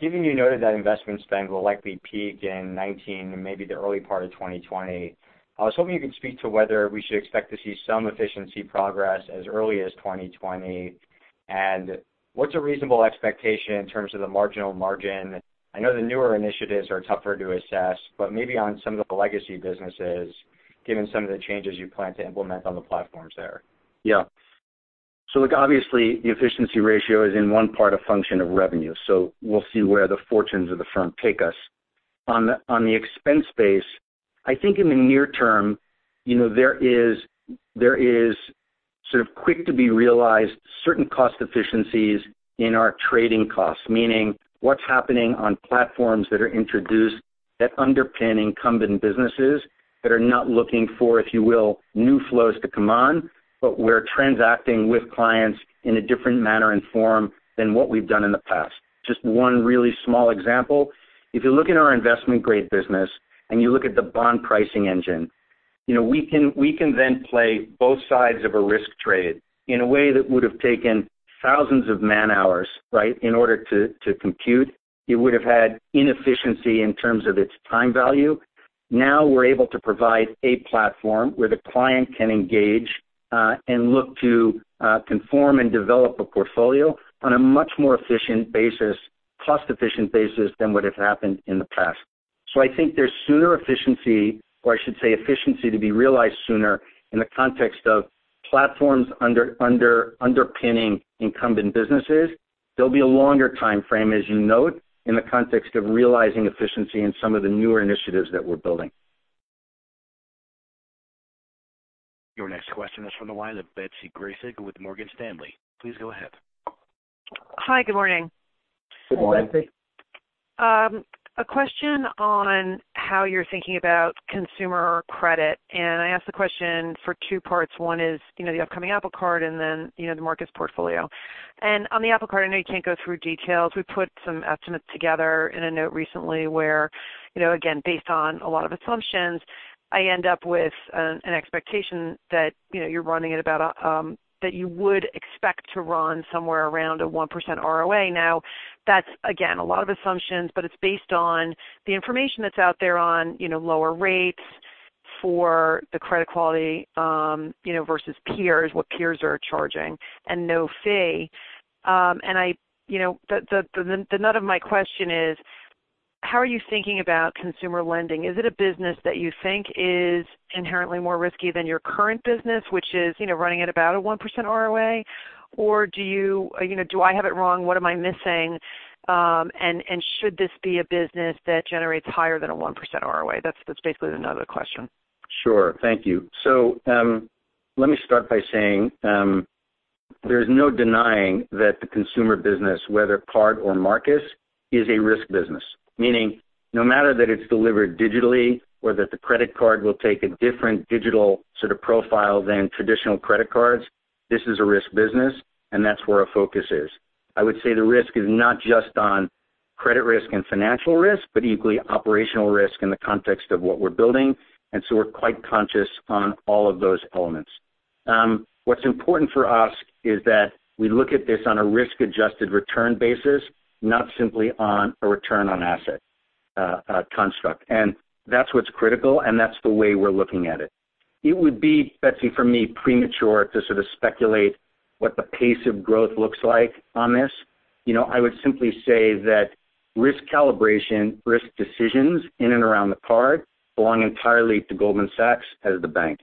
Given you noted that investment spend will likely peak in 2019 and maybe the early part of 2020, I was hoping you could speak to whether we should expect to see some efficiency progress as early as 2020. What's a reasonable expectation in terms of the marginal margin? I know the newer initiatives are tougher to assess, but maybe on some of the legacy businesses, given some of the changes you plan to implement on the platforms there. Yeah. Look, obviously the efficiency ratio is in one part a function of revenue. We'll see where the fortunes of the firm take us. On the expense base, I think in the near term, there is sort of quick to be realized certain cost efficiencies in our trading costs, meaning what's happening on platforms that are introduced that underpin incumbent businesses that are not looking for, if you will, new flows to come on, but we're transacting with clients in a different manner and form than what we've done in the past. Just one really small example. If you look at our investment grade business and you look at the bond pricing engine, we can then play both sides of a risk trade in a way that would have taken thousands of man-hours, right, in order to compute. It would have had inefficiency in terms of its time value. Now we're able to provide a platform where the client can engage and look to conform and develop a portfolio on a much more efficient basis, cost-efficient basis than would have happened in the past. I think there's sooner efficiency, or I should say efficiency to be realized sooner in the context of platforms underpinning incumbent businesses. There'll be a longer time frame, as you note, in the context of realizing efficiency in some of the newer initiatives that we're building. Your next question is from the line of Betsy Graseck with Morgan Stanley. Please go ahead. Hi. Good morning. Good morning. Betsy. A question on how you're thinking about consumer credit. I ask the question for two parts. One is the upcoming Apple Card and then the Marcus portfolio. On the Apple Card, I know you can't go through details. We put some estimates together in a note recently where, again, based on a lot of assumptions, I end up with an expectation that you would expect to run somewhere around a 1% ROA. Now, that's, again, a lot of assumptions, but it's based on the information that's out there on lower rates for the credit quality versus peers, what peers are charging, and no fee. The nut of my question is how are you thinking about consumer lending? Is it a business that you think is inherently more risky than your current business, which is running at about a 1% ROA, or do I have it wrong? What am I missing? Should this be a business that generates higher than a 1% ROA? That's basically the nut of the question. Sure. Thank you. Let me start by saying there's no denying that the consumer business, whether card or Marcus, is a risk business. Meaning, no matter that it's delivered digitally or that the credit card will take a different digital sort of profile than traditional credit cards, this is a risk business, and that's where our focus is. I would say the risk is not just on credit risk and financial risk, but equally operational risk in the context of what we're building. We're quite conscious on all of those elements. What's important for us is that we look at this on a risk-adjusted return basis, not simply on a return on asset construct. That's what's critical, and that's the way we're looking at it. It would be, Betsy, for me, premature to sort of speculate what the pace of growth looks like on this. I would simply say that risk calibration, risk decisions in and around the card belong entirely to Goldman Sachs as the bank.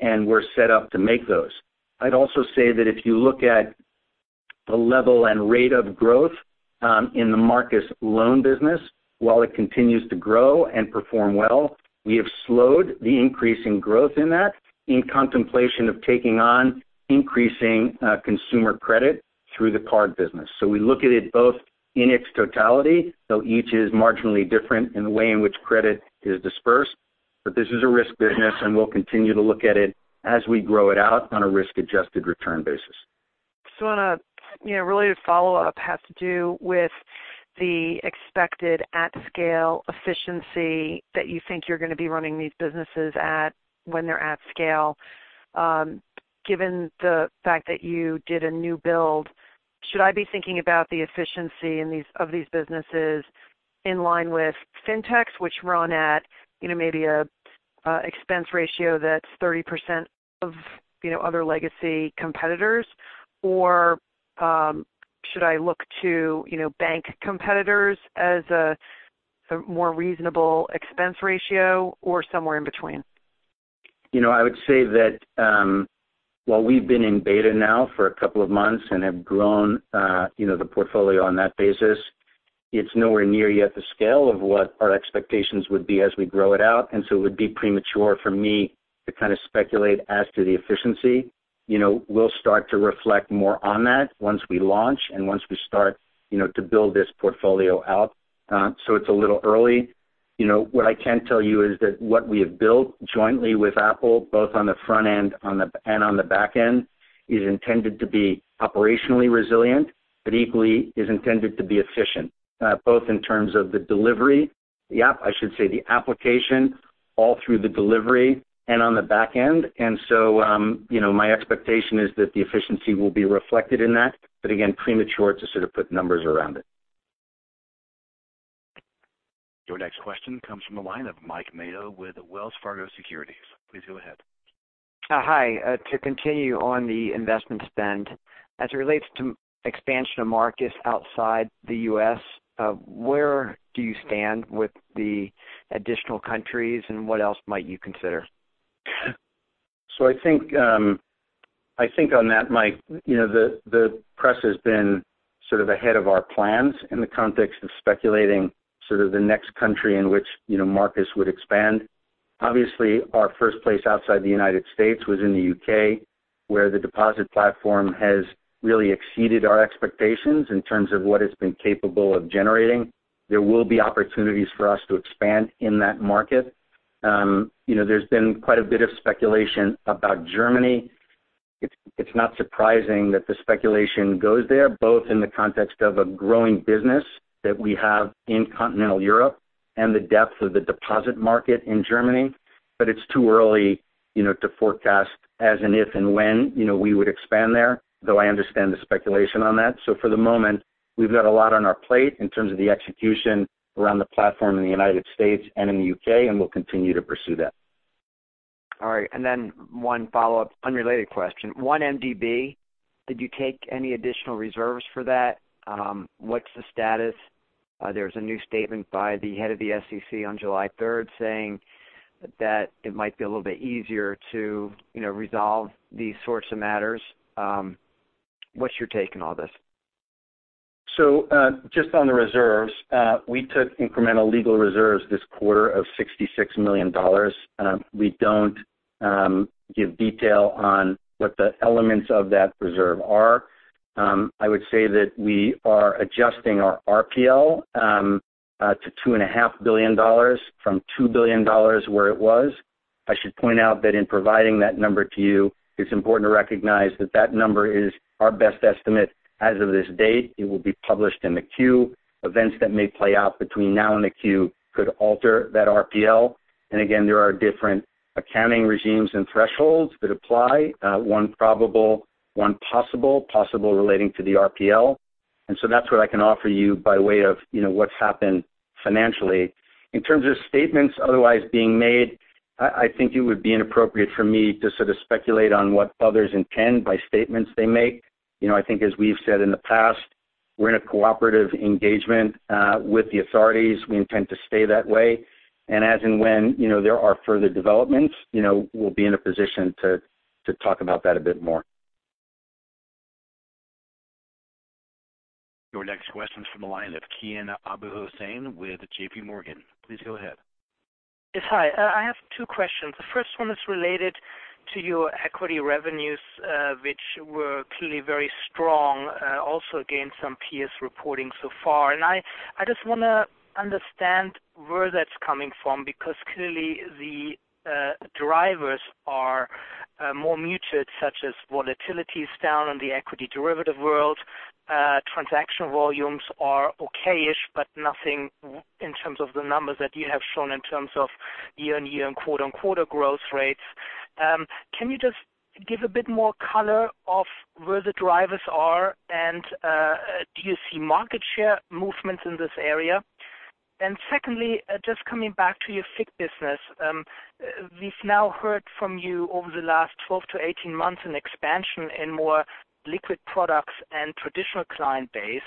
We're set up to make those. I'd also say that if you look at the level and rate of growth in the Marcus loan business, while it continues to grow and perform well, we have slowed the increase in growth in that in contemplation of taking on increasing consumer credit through the card business. We look at it both in its totality, though each is marginally different in the way in which credit is dispersed. This is a risk business, and we'll continue to look at it as we grow it out on a risk-adjusted return basis. Just want a related follow-up has to do with the expected at-scale efficiency that you think you're going to be running these businesses at when they're at scale. Given the fact that you did a new build, should I be thinking about the efficiency of these businesses in line with Fintechs, which run at maybe an expense ratio that's 30% of other legacy competitors, or should I look to bank competitors as a more reasonable expense ratio or somewhere in between? I would say that while we've been in beta now for a couple of months and have grown the portfolio on that basis, it's nowhere near yet the scale of what our expectations would be as we grow it out. It would be premature for me to kind of speculate as to the efficiency. We'll start to reflect more on that once we launch and once we start to build this portfolio out. It's a little early. What I can tell you is that what we have built jointly with Apple, both on the front end and on the back end, is intended to be operationally resilient, but equally is intended to be efficient, both in terms of the delivery, the app, I should say, the application, all through the delivery and on the back end. My expectation is that the efficiency will be reflected in that, but again, premature to sort of put numbers around it. Your next question comes from the line of Mike Mayo with Wells Fargo Securities. Please go ahead. Hi. To continue on the investment spend, as it relates to expansion of markets outside the U.S., where do you stand with the additional countries, and what else might you consider? I think on that, Mike, the press has been sort of ahead of our plans in the context of speculating sort of the next country in which Marcus would expand. Obviously, our first place outside the United States was in the U.K., where the deposit platform has really exceeded our expectations in terms of what it's been capable of generating. There will be opportunities for us to expand in that market. There's been quite a bit of speculation about Germany. It's not surprising that the speculation goes there, both in the context of a growing business that we have in continental Europe and the depth of the deposit market in Germany. It's too early to forecast as an if and when we would expand there, though I understand the speculation on that. For the moment, we've got a lot on our plate in terms of the execution around the platform in the United States and in the U.K., and we'll continue to pursue that. All right. One follow-up unrelated question. 1MDB, did you take any additional reserves for that? What's the status? There's a new statement by the head of the SEC on July 3rd saying that it might be a little bit easier to resolve these sorts of matters. What's your take on all this? Just on the reserves, we took incremental legal reserves this quarter of $66 million. We don't give detail on what the elements of that reserve are. I would say that we are adjusting our RPL to $2.5 billion from $2 billion, where it was. I should point out that in providing that number to you, it's important to recognize that that number is our best estimate as of this date. It will be published in the Q. Events that may play out between now and the Q could alter that RPL. Again, there are different accounting regimes and thresholds that apply. One probable, one possible relating to the RPL. That's what I can offer you by way of what's happened financially. In terms of statements otherwise being made, I think it would be inappropriate for me to sort of speculate on what others intend by statements they make. I think as we've said in the past, we're in a cooperative engagement with the authorities. We intend to stay that way, and as and when there are further developments, we'll be in a position to talk about that a bit more. Your next question's from the line of Kian Abouhossein with JPMorgan. Please go ahead. Yes. Hi. I have two questions. The first one is related to your equity revenues, which were clearly very strong, also against some peers reporting so far. I just want to understand where that's coming from, because clearly the drivers are more muted, such as volatility is down on the equity derivative world. Transaction volumes are okay-ish, but nothing in terms of the numbers that you have shown in terms of year-on-year and quarter-on-quarter growth rates. Can you just give a bit more color of where the drivers are, and do you see market share movements in this area? Secondly, just coming back to your FICC business. We've now heard from you over the last 12-18 months an expansion in more liquid products and traditional client base.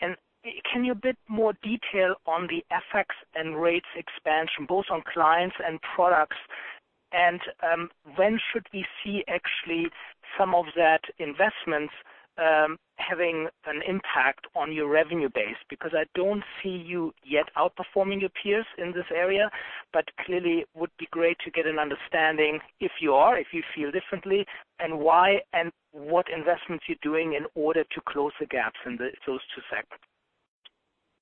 Can you give a bit more detail on the FX and rates expansion, both on clients and products? When should we see actually some of that investments having an impact on your revenue base? I don't see you yet outperforming your peers in this area, but clearly would be great to get an understanding if you are, if you feel differently and why, and what investments you're doing in order to close the gaps in those two sectors.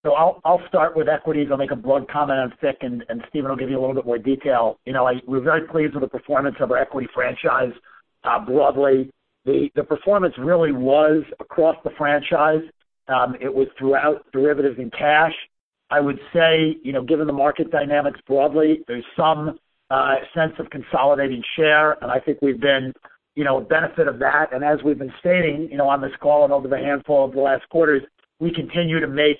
I'll start with equities. I'll make a broad comment on FICC, Stephen will give you a little bit more detail. We're very pleased with the performance of our equity franchise broadly. The performance really was across the franchise. It was throughout derivatives and cash. I would say, given the market dynamics broadly, there's some sense of consolidating share, I think we've been a benefit of that. As we've been stating on this call and over the handful of the last quarters, we continue to make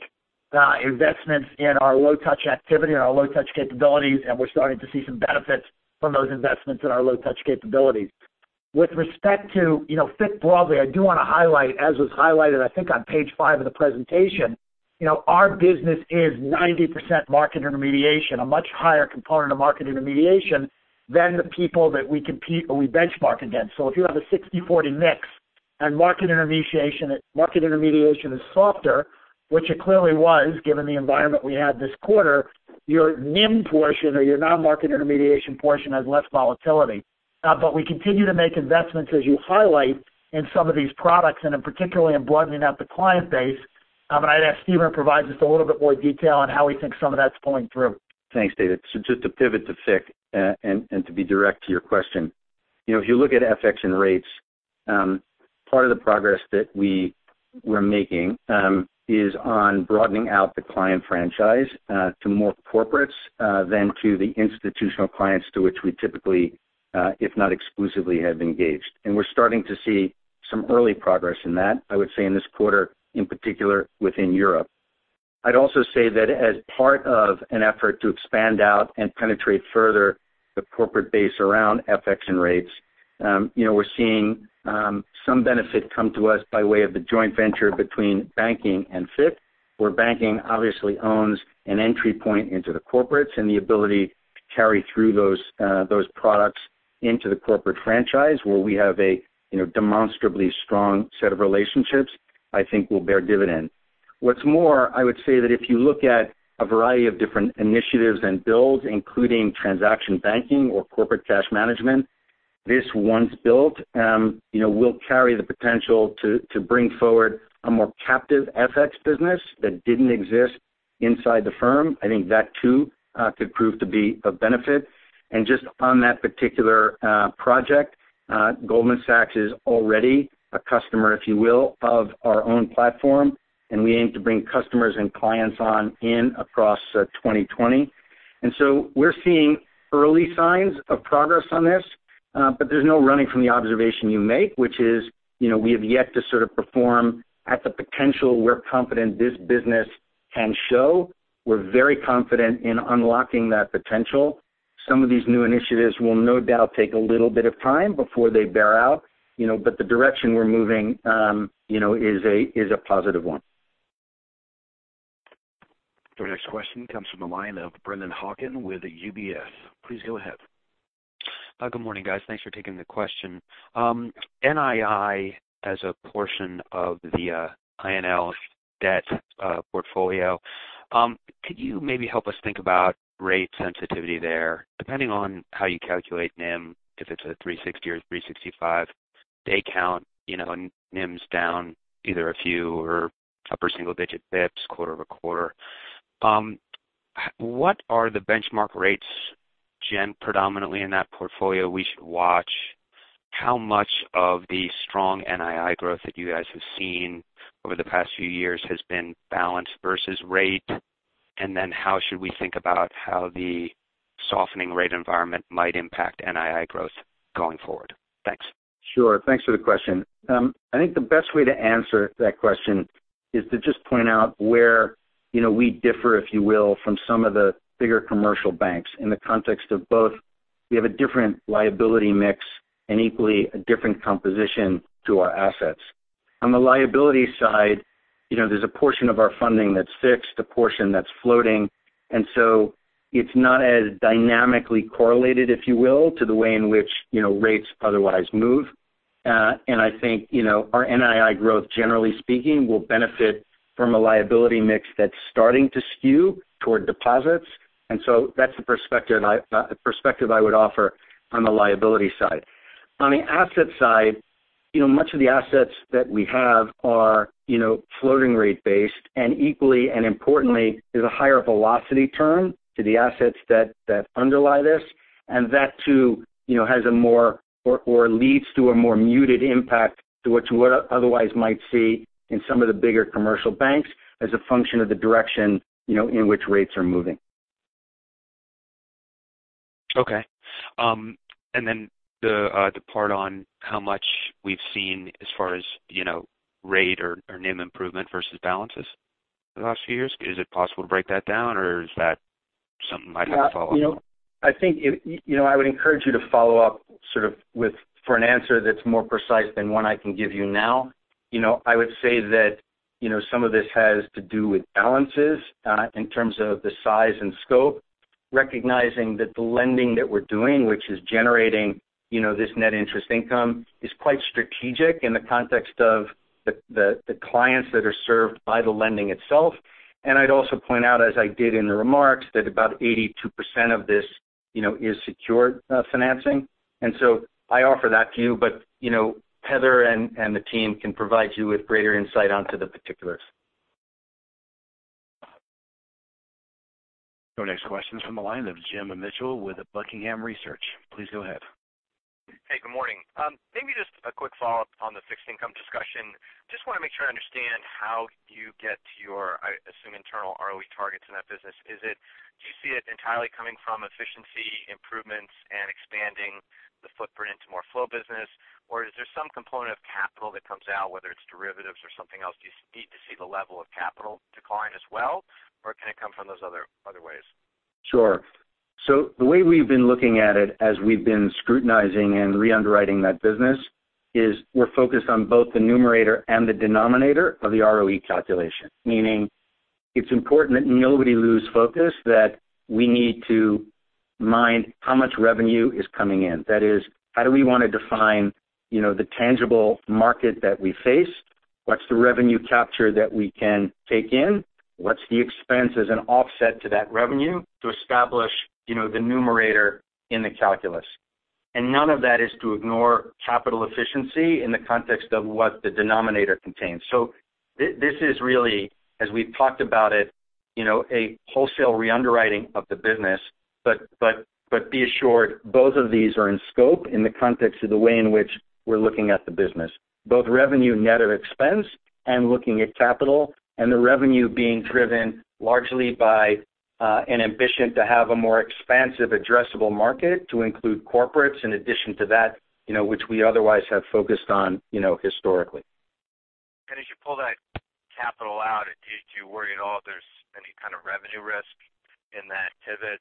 investments in our low-touch activity and our low-touch capabilities, we're starting to see some benefits from those investments in our low-touch capabilities. With respect to FICC broadly, I do want to highlight, as was highlighted, I think on page five of the presentation, our business is 90% market intermediation, a much higher component of market intermediation than the people that we compete or we benchmark against. If you have a 60/40 mix and market intermediation is softer, which it clearly was given the environment we had this quarter, your NIM portion or your non-market intermediation portion has less volatility. We continue to make investments, as you highlight, in some of these products and particularly in broadening out the client base. I'd ask Stephen to provide just a little bit more detail on how he thinks some of that's pulling through. Thanks, David. Just to pivot to FICC, and to be direct to your question. If you look at FX and rates, part of the progress that we're making is on broadening out the client franchise to more corporates than to the institutional clients to which we typically, if not exclusively, have engaged. We're starting to see some early progress in that, I would say in this quarter in particular within Europe. I'd also say that as part of an effort to expand out and penetrate further the corporate base around FX and rates, we're seeing some benefit come to us by way of the joint venture between banking and FICC, where banking obviously owns an entry point into the corporates and the ability to carry through those products into the corporate franchise where we have a demonstrably strong set of relationships I think will bear dividend. What's more, I would say that if you look at a variety of different initiatives and builds, including transaction banking or corporate cash management, this once built will carry the potential to bring forward a more captive FX business that didn't exist inside the firm. I think that too could prove to be of benefit. Just on that particular project, Goldman Sachs is already a customer, if you will, of our own platform, and we aim to bring customers and clients on in across 2020. We're seeing early signs of progress on this. There's no running from the observation you make, which is we have yet to sort of perform at the potential we're confident this business can show. We're very confident in unlocking that potential. Some of these new initiatives will no doubt take a little bit of time before they bear out. The direction we're moving is a positive one. Your next question comes from the line of Brennan Hawken with UBS. Please go ahead. Good morning, guys. Thanks for taking the question. NII as a portion of the I&L debt portfolio, could you maybe help us think about rate sensitivity there? Depending on how you calculate NIM, if it's a 360 or 365 day count, NIM's down either a few or upper single-digit basis points quarter-over-quarter. What are the benchmark rates, Jen, predominantly in that portfolio we should watch? How much of the strong NII growth that you guys have seen over the past few years has been balanced versus rate? How should we think about how the softening rate environment might impact NII growth going forward? Thanks. Sure. Thanks for the question. I think the best way to answer that question is to just point out where we differ, if you will, from some of the bigger commercial banks in the context of both, we have a different liability mix and equally a different composition to our assets. On the liability side, there's a portion of our funding that's fixed, a portion that's floating, and so it's not as dynamically correlated, if you will, to the way in which rates otherwise move. I think our NII growth, generally speaking, will benefit from a liability mix that's starting to skew toward deposits. So that's the perspective I would offer on the liability side. On the asset side, much of the assets that we have are floating rate based, and equally and importantly, there's a higher velocity turn to the assets that underlie this, and that too has a more or leads to a more muted impact to what you would otherwise might see in some of the bigger commercial banks as a function of the direction in which rates are moving. Okay. The part on how much we've seen as far as rate or NIM improvement versus balances the last few years. Is it possible to break that down, or is that something I might have to follow up on? I would encourage you to follow up for an answer that's more precise than what I can give you now. I would say that some of this has to do with balances, in terms of the size and scope. Recognizing that the lending that we're doing, which is generating this net interest income, is quite strategic in the context of the clients that are served by the lending itself. I'd also point out, as I did in the remarks, that about 82% of this is secured financing. So I offer that to you. Heather and the team can provide you with greater insight onto the particulars. Your next question is from the line of Jim Mitchell with Buckingham Research. Please go ahead. Hey, good morning. Maybe just a quick follow-up on the fixed income discussion. Just want to make sure I understand how you get to your, I assume, internal ROE targets in that business. Do you see it entirely coming from efficiency improvements and expanding the footprint into more flow business? Or is there some component of capital that comes out, whether it's derivatives or something else? Do you need to see the level of capital decline as well, or can it come from those other ways? The way we've been looking at it, as we've been scrutinizing and re-underwriting that business, is we're focused on both the numerator and the denominator of the ROE calculation. Meaning it's important that nobody lose focus that we need to mind how much revenue is coming in. That is, how do we want to define the tangible market that we face. What's the revenue capture that we can take in? What's the expense as an offset to that revenue to establish the numerator in the calculus? None of that is to ignore capital efficiency in the context of what the denominator contains. This is really as we've talked about it, a wholesale re-underwriting of the business. Be assured both of these are in scope in the context of the way in which we're looking at the business. Both revenue net of expense and looking at capital and the revenue being driven largely by an ambition to have a more expansive addressable market to include corporates in addition to that which we otherwise have focused on historically. As you pull that capital out, do you worry at all if there's any kind of revenue risk in that pivot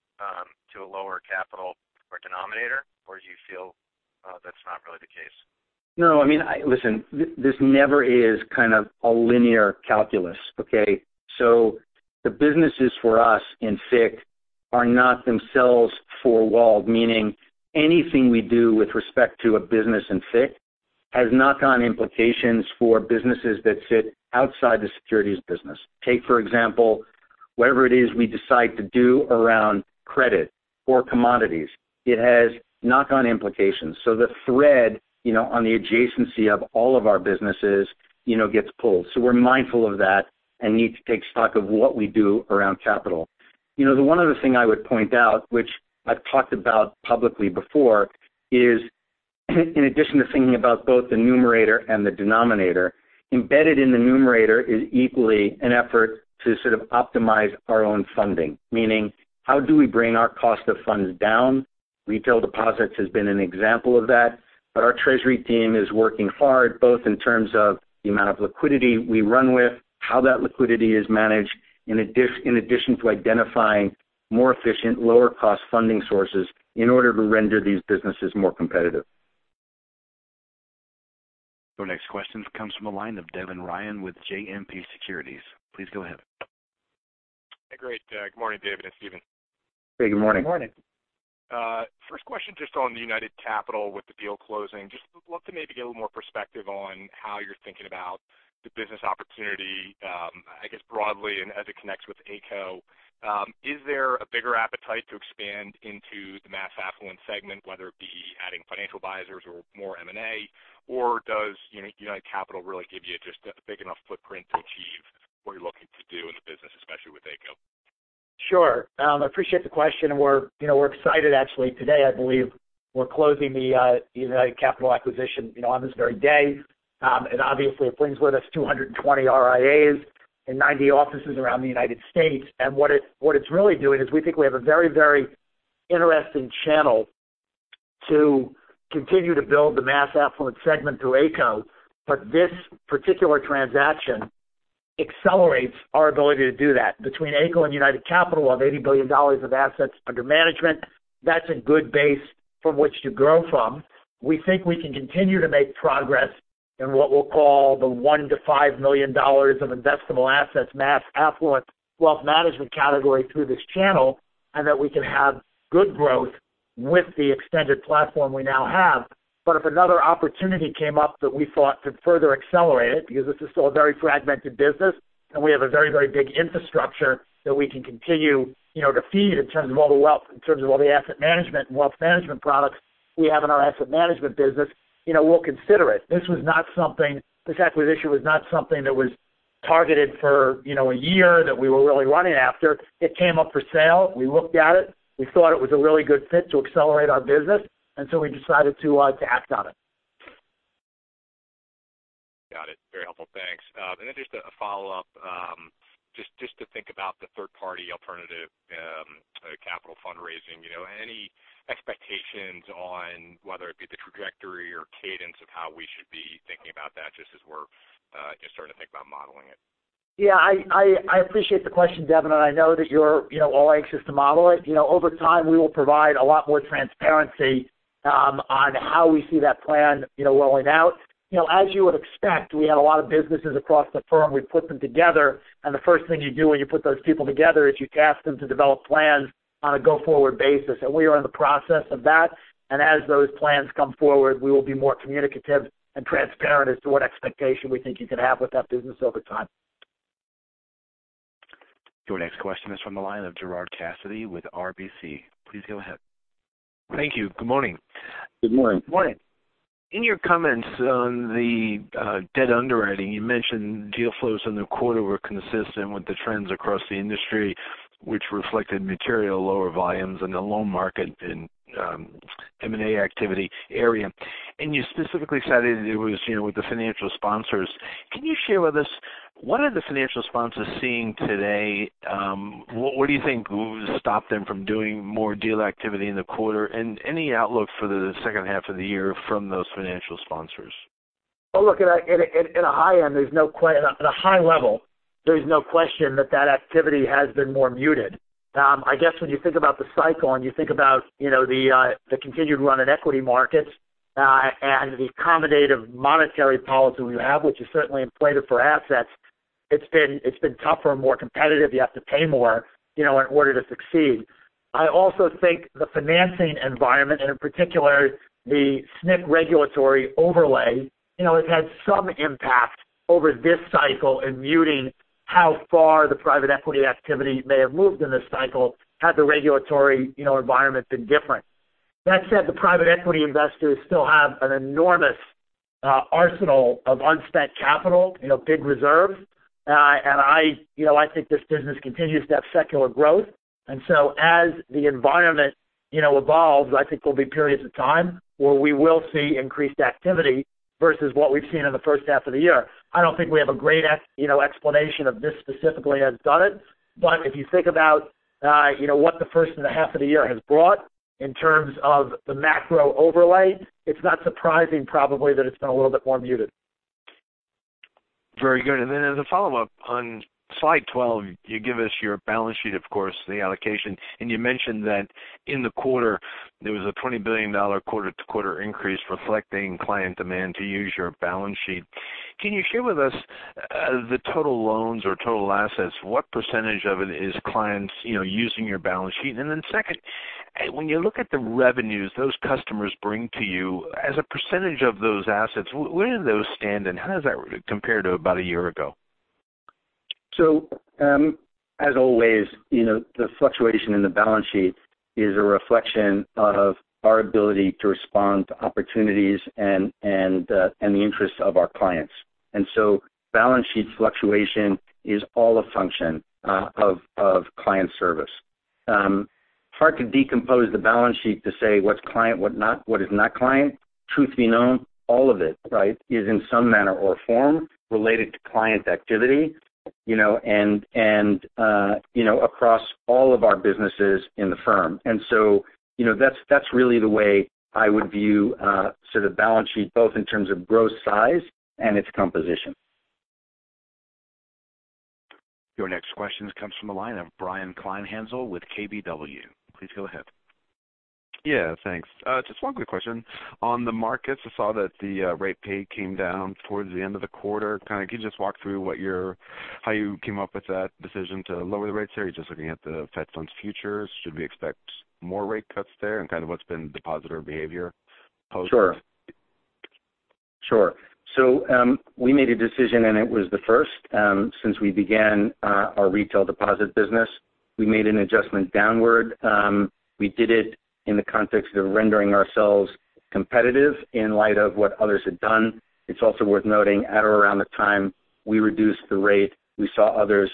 to a lower capital or denominator? Do you feel that's not really the case? No. Listen, this never is kind of a linear calculus, okay? The businesses for us in FICC are not themselves four walled, meaning anything we do with respect to a business in FICC has knock-on implications for businesses that sit outside the securities business. Take, for example, whatever it is we decide to do around credit or commodities. It has knock-on implications. The thread on the adjacency of all of our businesses gets pulled. We're mindful of that and need to take stock of what we do around capital. The one other thing I would point out, which I've talked about publicly before, is in addition to thinking about both the numerator and the denominator, embedded in the numerator is equally an effort to sort of optimize our own funding. Meaning how do we bring our cost of funds down? Retail deposits has been an example of that. Our treasury team is working hard both in terms of the amount of liquidity we run with, how that liquidity is managed, in addition to identifying more efficient, lower cost funding sources in order to render these businesses more competitive. Your next question comes from the line of Devin Ryan with JMP Securities. Please go ahead. Great. Good morning, David and Stephen. Hey, good morning. Good morning. First question just on the United Capital with the deal closing. Just would love to maybe get a little more perspective on how you're thinking about the business opportunity, I guess, broadly, and as it connects with Ayco. Is there a bigger appetite to expand into the mass affluent segment, whether it be adding financial advisors or more M&A, or does United Capital really give you just a big enough footprint to achieve what you're looking to do in the business, especially with Ayco? Sure. I appreciate the question, and we're excited actually today, I believe we're closing the United Capital acquisition on this very day. Obviously it brings with us 220 RIAs and 90 offices around the United States. What it's really doing is we think we have a very interesting channel to continue to build the mass affluent segment through Ayco. This particular transaction accelerates our ability to do that. Between Ayco and United Capital, of $80 billion of assets under management, that's a good base from which to grow from. We think we can continue to make progress in what we'll call the $1 to $5 million of investable assets mass affluent wealth management category through this channel, and that we can have good growth with the extended platform we now have. If another opportunity came up that we thought could further accelerate it, because this is still a very fragmented business, and we have a very big infrastructure that we can continue to feed in terms of all the asset management and wealth management products we have in our asset management business, we'll consider it. This acquisition was not something that was targeted for a year that we were really running after. It came up for sale, we looked at it. We thought it was a really good fit to accelerate our business, and so we decided to act on it. Got it. Very helpful. Thanks. Just a follow-up. Just to think about the third party alternative capital fundraising. Any expectations on whether it be the trajectory or cadence of how we should be thinking about that just as we're starting to think about modeling it? Yeah. I appreciate the question, Devin. I know that you're all anxious to model it. Over time, we will provide a lot more transparency on how we see that plan rolling out. As you would expect, we had a lot of businesses across the firm. We put them together. The first thing you do when you put those people together is you task them to develop plans on a go-forward basis. We are in the process of that. As those plans come forward, we will be more communicative and transparent as to what expectation we think you can have with that business over time. Your next question is from the line of Gerard Cassidy with RBC. Please go ahead. Thank you. Good morning. Good morning. Morning. In your comments on the debt underwriting, you mentioned deal flows in the quarter were consistent with the trends across the industry, which reflected material lower volumes in the loan market and M&A activity area. You specifically cited it was with the financial sponsors. Can you share with us, what are the financial sponsors seeing today? What do you think would stop them from doing more deal activity in the quarter, and any outlook for the second half of the year from those financial sponsors? Look, at a high level, there's no question that that activity has been more muted. I guess when you think about the cycle and you think about the continued run in equity markets, and the accommodative monetary policy we have, which is certainly inflated for assets, it's been tougher and more competitive. You have to pay more in order to succeed. I also think the financing environment, and in particular, the SNC regulatory overlay, has had some impact over this cycle in muting how far the private equity activity may have moved in this cycle had the regulatory environment been different. That said, the private equity investors still have an enormous arsenal of unspent capital, big reserves. I think this business continues to have secular growth. As the environment evolves, I think there'll be periods of time where we will see increased activity versus what we've seen in the first half of the year. I don't think we have a great explanation of this specifically that's done it. If you think about what the first half of the year has brought in terms of the macro overlay, it's not surprising probably that it's been a little bit more muted. Very good. As a follow-up, on slide 12, you give us your balance sheet, of course, the allocation, and you mentioned that in the quarter there was a $20 billion quarter-to-quarter increase reflecting client demand to use your balance sheet. Can you share with us the total loans or total assets? What percentage of it is clients using your balance sheet? Second, when you look at the revenues those customers bring to you as a percentage of those assets, where do those stand, and how does that compare to about a year ago? As always, the fluctuation in the balance sheet is a reflection of our ability to respond to opportunities and the interests of our clients. Balance sheet fluctuation is all a function of client service. Hard to decompose the balance sheet to say what's client, what is not client. Truth be known, all of it is in some manner or form related to client activity, and across all of our businesses in the firm. That's really the way I would view sort of balance sheet, both in terms of growth size and its composition. Your next question comes from the line of Brian Kleinhanzl with KBW. Please go ahead. Yeah, thanks. Just one quick question. On the markets, I saw that the rate pay came down towards the end of the quarter. Can you just walk through how you came up with that decision to lower the rates there? Are you just looking at the Fed funds futures? Should we expect more rate cuts there, and kind of what's been depositor behavior post? We made a decision, it was the first since we began our retail deposit business. We made an adjustment downward. We did it in the context of rendering ourselves competitive in light of what others had done. It's also worth noting at or around the time we reduced the rate, we saw others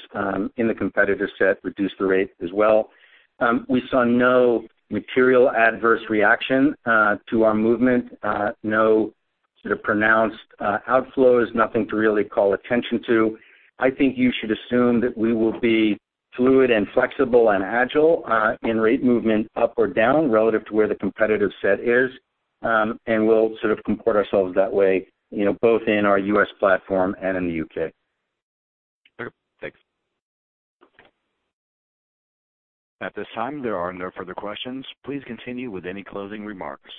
in the competitor set reduce the rate as well. We saw no material adverse reaction to our movement. No sort of pronounced outflows, nothing to really call attention to. I think you should assume that we will be fluid and flexible and agile in rate movement up or down relative to where the competitive set is. We'll sort of comport ourselves that way both in our U.S. platform and in the U.K. Sure. Thanks. At this time, there are no further questions. Please continue with any closing remarks.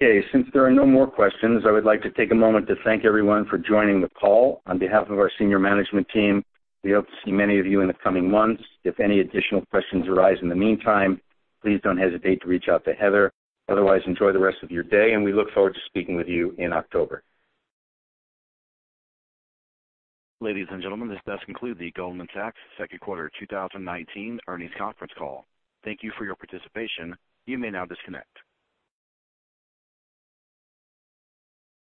Since there are no more questions, I would like to take a moment to thank everyone for joining the call. On behalf of our senior management team, we hope to see many of you in the coming months. If any additional questions arise in the meantime, please don't hesitate to reach out to Heather. Otherwise, enjoy the rest of your day, we look forward to speaking with you in October. Ladies and gentlemen, this does conclude the Goldman Sachs second quarter 2019 earnings conference call. Thank you for your participation. You may now disconnect.